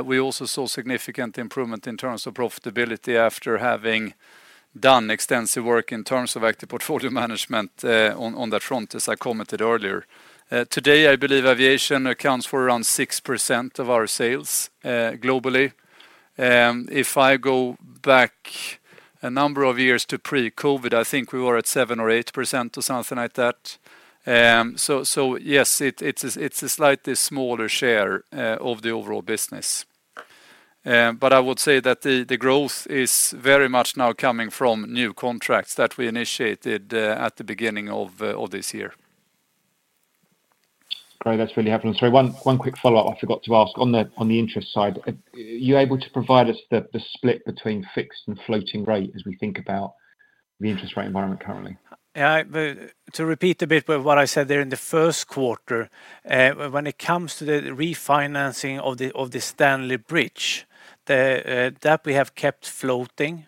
We also saw significant improvement in terms of profitability after having done extensive work in terms of active portfolio management, on that front, as I commented earlier. Today, I believe aviation accounts for around 6% of our sales, globally. If I go back a number of years to pre-COVID, I think we were at 7% or 8%, or something like that. Yes, it's a slightly smaller share of the overall business. I would say that the growth is very much now coming from new contracts that we initiated at the beginning of this year. Great, that's really helpful. Sorry, one quick follow-up I forgot to ask. On the interest side, are you able to provide us the split between fixed and floating rate, as we think about the interest rate environment currently? Yeah, but to repeat a bit with what I said there in the first quarter, when it comes to the refinancing of the, of the Stanley Bridge, that we have kept floating,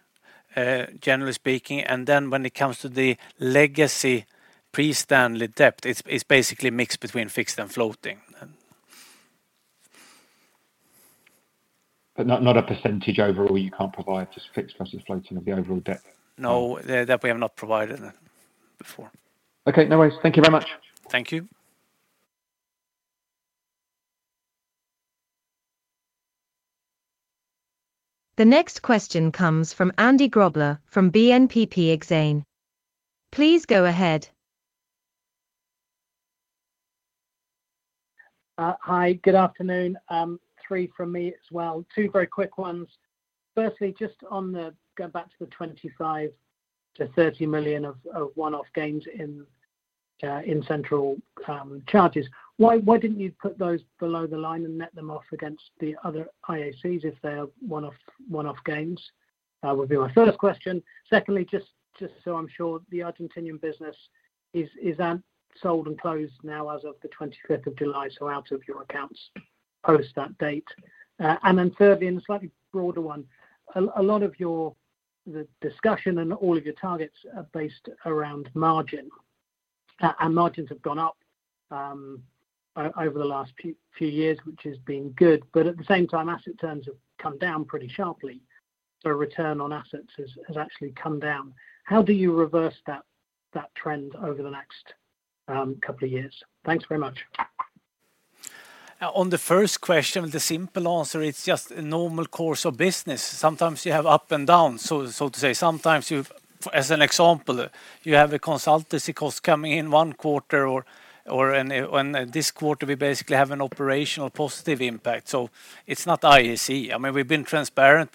generally speaking. Then, when it comes to the legacy pre-Stanley debt it's basically a mix between fixed and floating. Not a percentage overall you can't provide, just fixed versus floating of the overall debt? No, that, that we have not provided before. Okay, no worries. Thank you very much. Thank you. The next question comes from Andy Grobler from BNP Exane. Please go ahead. Hi, good afternoon. Three from me as well. Two very quick ones. Firstly, just on the, going back to the $25 million to $30 million of one-off gains in central charges. Why didn't you put those below the line and net them off against the other IACs, if they are one-off, one-off gains? Would be my first question. Secondly, just so I'm sure, the Argentinian business is sold and closed now as of the 25th of July, so out of your accounts post that date. Thirdly, and a slightly broader one, a lot of your, the discussion and all of your targets are based around margin. Margins have gone up over the last few years, which has been good. At the same time, asset terms have come down pretty sharply. Return on assets has actually come down. How do you reverse that trend over the next couple of years? Thanks very much. On the first question, the simple answer, it's just a normal course of business. Sometimes you have up and down, so to say. Sometimes. As an example, you have a consultancy cost coming in one quarter or, and this quarter we basically have an operational positive impact, so it's not IAC. We've been transparent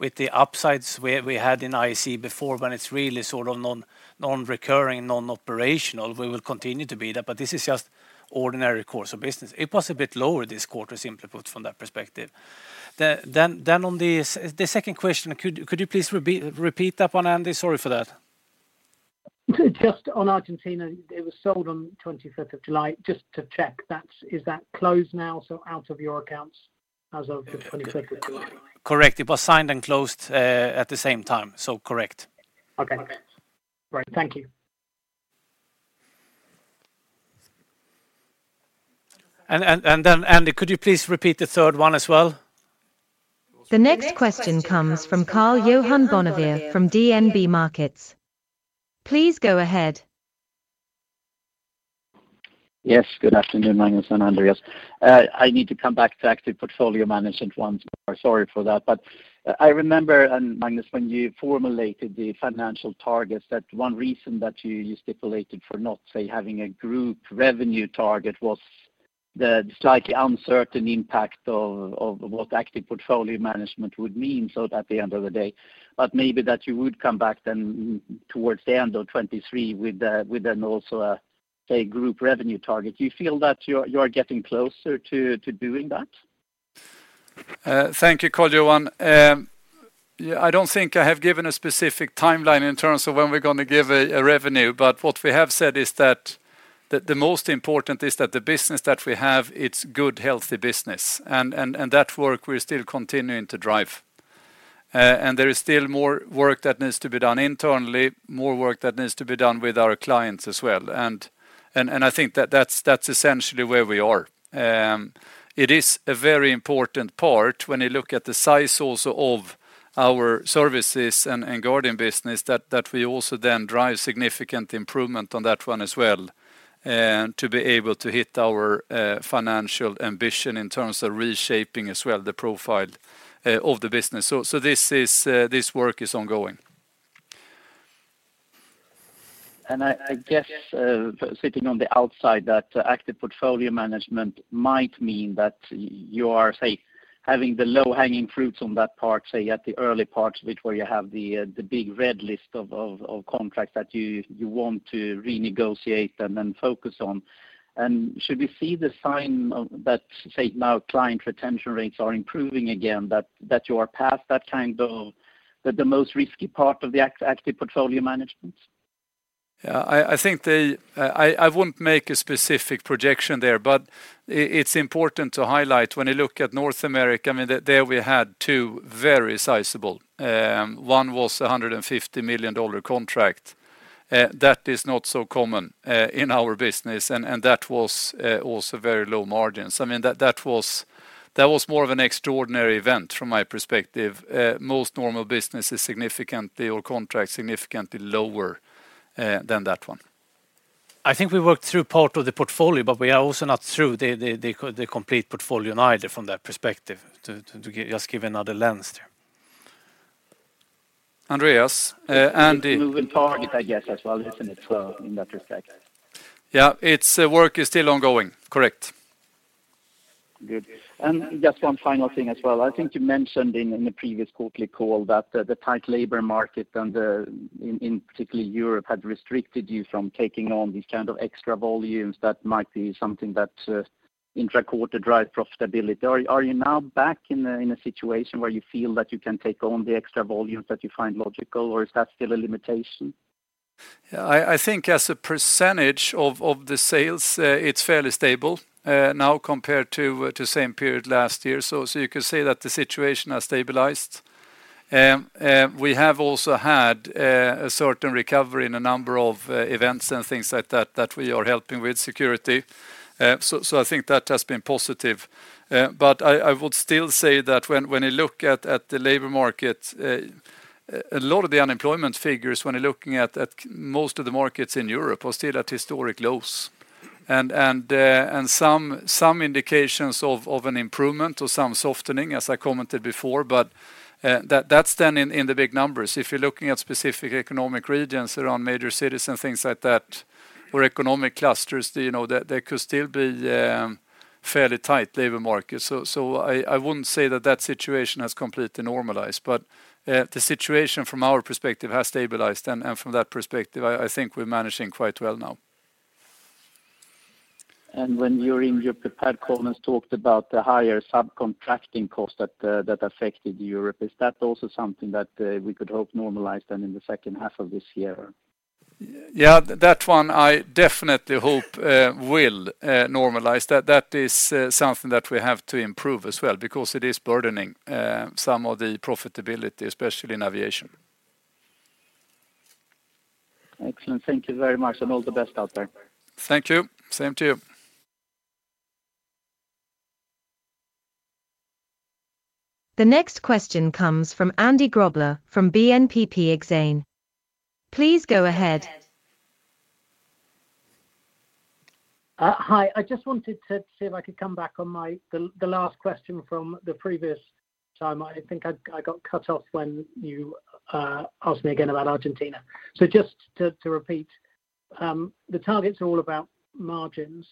with the upsides we had in IAC before, when it's really sort of non-recurring, non-operational. We will continue to be that. This is just ordinary course of business. It was a bit lower this quarter, simply put from that perspective. On the second question, could you please repeat that one, Andy? Sorry for that. Just on Argentina, it was sold on 25th of July. Just to check is that closed now, so out of your accounts as of the 25th of July? Correct. It was signed and closed, at the same time, so correct. Okay. Great, thank you. Andy, could you please repeat the third one as well? The next question comes from Karl-Johan Bonnevier from DNB Markets. Please go ahead. Yes, good afternoon, Magnus and Andreas. I need to come back to active portfolio management once more. Sorry for that. I remember, and Magnus, when you formulated the financial targets, that one reason that you stipulated for not, say, having a group revenue target was the slightly uncertain impact of what active portfolio management would mean, so at the end of the day, but maybe that you would come back then towards the end of 2023 with then also a, say, group revenue target. Do you feel that you're, you're getting closer to doing that? Thank you, Karl-Johan. I don't think I have given a specific timeline in terms of when we're gonna give a revenue, but what we have said is that the most important is that the business that we have, it's good, healthy business and that work, we're still continuing to drive. There is still more work that needs to be done internally, more work that needs to be done with our clients as well. That's essentially where we are. It is a very important part when you look at the size also of our services and, and Guarding business that we also then drive significant improvement on that one as well, to be able to hit our financial ambition in terms of reshaping as well, the profile of the business. So this is, this work is ongoing. Sitting on the outside, that active portfolio management might mean that you are, say, having the low-hanging fruits on that part, say, at the early parts, which where you have the big red list of contracts that you want to renegotiate and then focus on. Should we see the sign of that, say, now, client retention rates are improving again, that you are past that the most risky part of the active portfolio management? I wouldn't make a specific projection there, but it's important to highlight that when you look at North America there we had two very sizable. One was a $150 million contract. That is not so common in our business and that was also very low margins. That was more of an extraordinary event from my perspective. Most normal business is significantly, or contracts, significantly lower than that one. I think we worked through part of the portfolio, but we are also not through the complete portfolio neither from that perspective, to just give another lens there. Andreas. Moving target as well, isn't it, so in that respect? Yeah, its work is still ongoing. Correct. Good. Just one final thing as well. I think you mentioned in the previous quarterly call that the tight labor market and in particularly Europe, had restricted you from taking on these extra volumes that might be something that intra-quarter drive profitability. Are you now back in a situation where you feel that you can take on the extra volumes that you find logical, or is that still a limitation? As a percentage of the sales, it's fairly stable now compared to same period last year. You could say that the situation has stabilized. We have also had a certain recovery in a number of events and things like that we are helping with security. I think that has been positive. I would still say that when you look at the labor market, a lot of the unemployment figures, when you're looking at most of the markets in Europe, are still at historic lows. Some, some indications of an improvement or some softening, as I commented before, but that's then in the big numbers. If you're looking at specific economic regions around major cities and things like that, or economic clusters there could still be, fairly tight labor markets. So I wouldn't say that the situation has completely normalized the situation from our perspective has stabilized. And from that perspective, I think we're managing quite well now. When you're in Europe, Pat Collins talked about the higher subcontracting cost that, that affected Europe. Is that also something that we could hope normalize then in the second half of this year? Yeah, that one I definitely hope will normalize. That, that is something that we have to improve as well, because it is burdening some of the profitability, especially in aviation. Excellent. Thank you very much, and all the best out there. Thank you. Same to you. The next question comes from Andy Grobler, from BNP Exane. Please go ahead. Hi. I just wanted to see if I could come back on my, the last question from the previous time. I think I got cut off when you asked me again about Argentina. Just to repeat, the target's all about margins,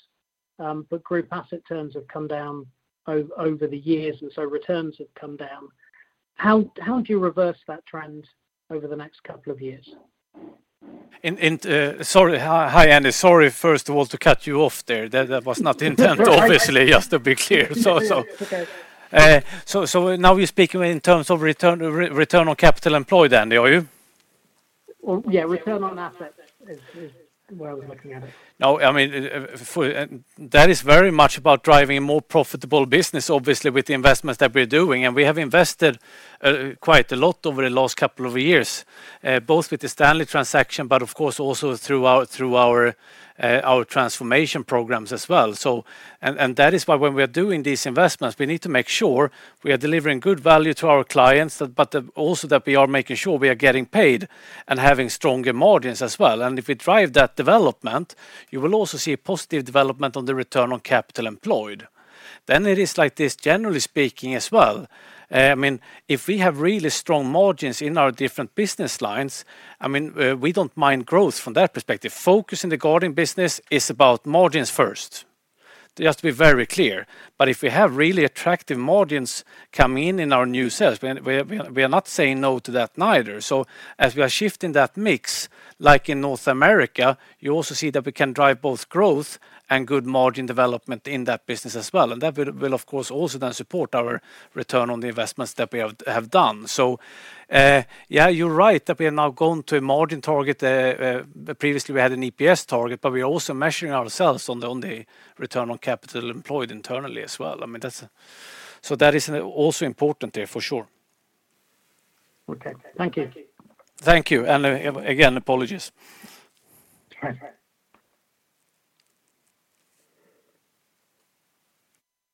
but group asset terms have come down over the years, and so returns have come down. How do you reverse that trend over the next couple of years? Sorry. Hi, Andy. Sorry, first of all, to cut you off there. That was not the intent, obviously, just to be clear. So now you're speaking in terms of return on capital employed, Andy, are you? Well, yeah, return on asset is, is where I was looking at it. Now, I mean, for, and that is very much about driving a more profitable business with the investments that we're doing, and we have invested quite a lot over the last couple of years, both with the Stanley transaction, but of course, also through our, our transformation programs as well. That is why when we are doing these investments, we need to make sure we are delivering good value to our clients but also that we are making sure we are getting paid and having stronger margins as well. If we drive that development, you will also see a positive development on the return on capital employed. It is like this, generally speaking as well, I mean, if we have really strong margins in our different business lines we don't mind growth from that perspective. Focus in the Garden business is about margins first, just to be very clear. If we have really attractive margins coming in our new sales, we are not saying no to that neither. As we are shifting that mix, like in North America, you also see that we can drive both growth and good margin development in that business as well, and that will, of course, also then support our return on the investments that we have done. Yeah, you're right, that we have now gone to a margin target. Previously, we had an EPS target, but we are also measuring ourselves on the return on capital employed internally as well. That is also important there, for sure. Okay. Thank you. Thank you. Again, apologies. It's all right.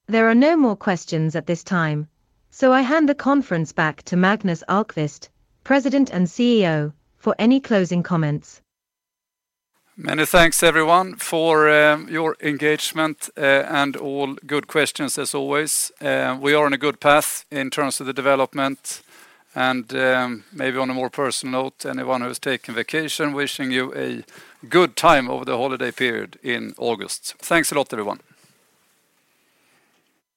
There are no more questions at this time, so I hand the conference back to Magnus Ahlqvist, President and CEO, for any closing comments. Many thanks, everyone, for your engagement and all good questions, as always. We are on a good path in terms of development. Maybe on a more personal note, anyone who is taking vacation, wishing you a good time over the holiday period in August. Thanks a lot, everyone.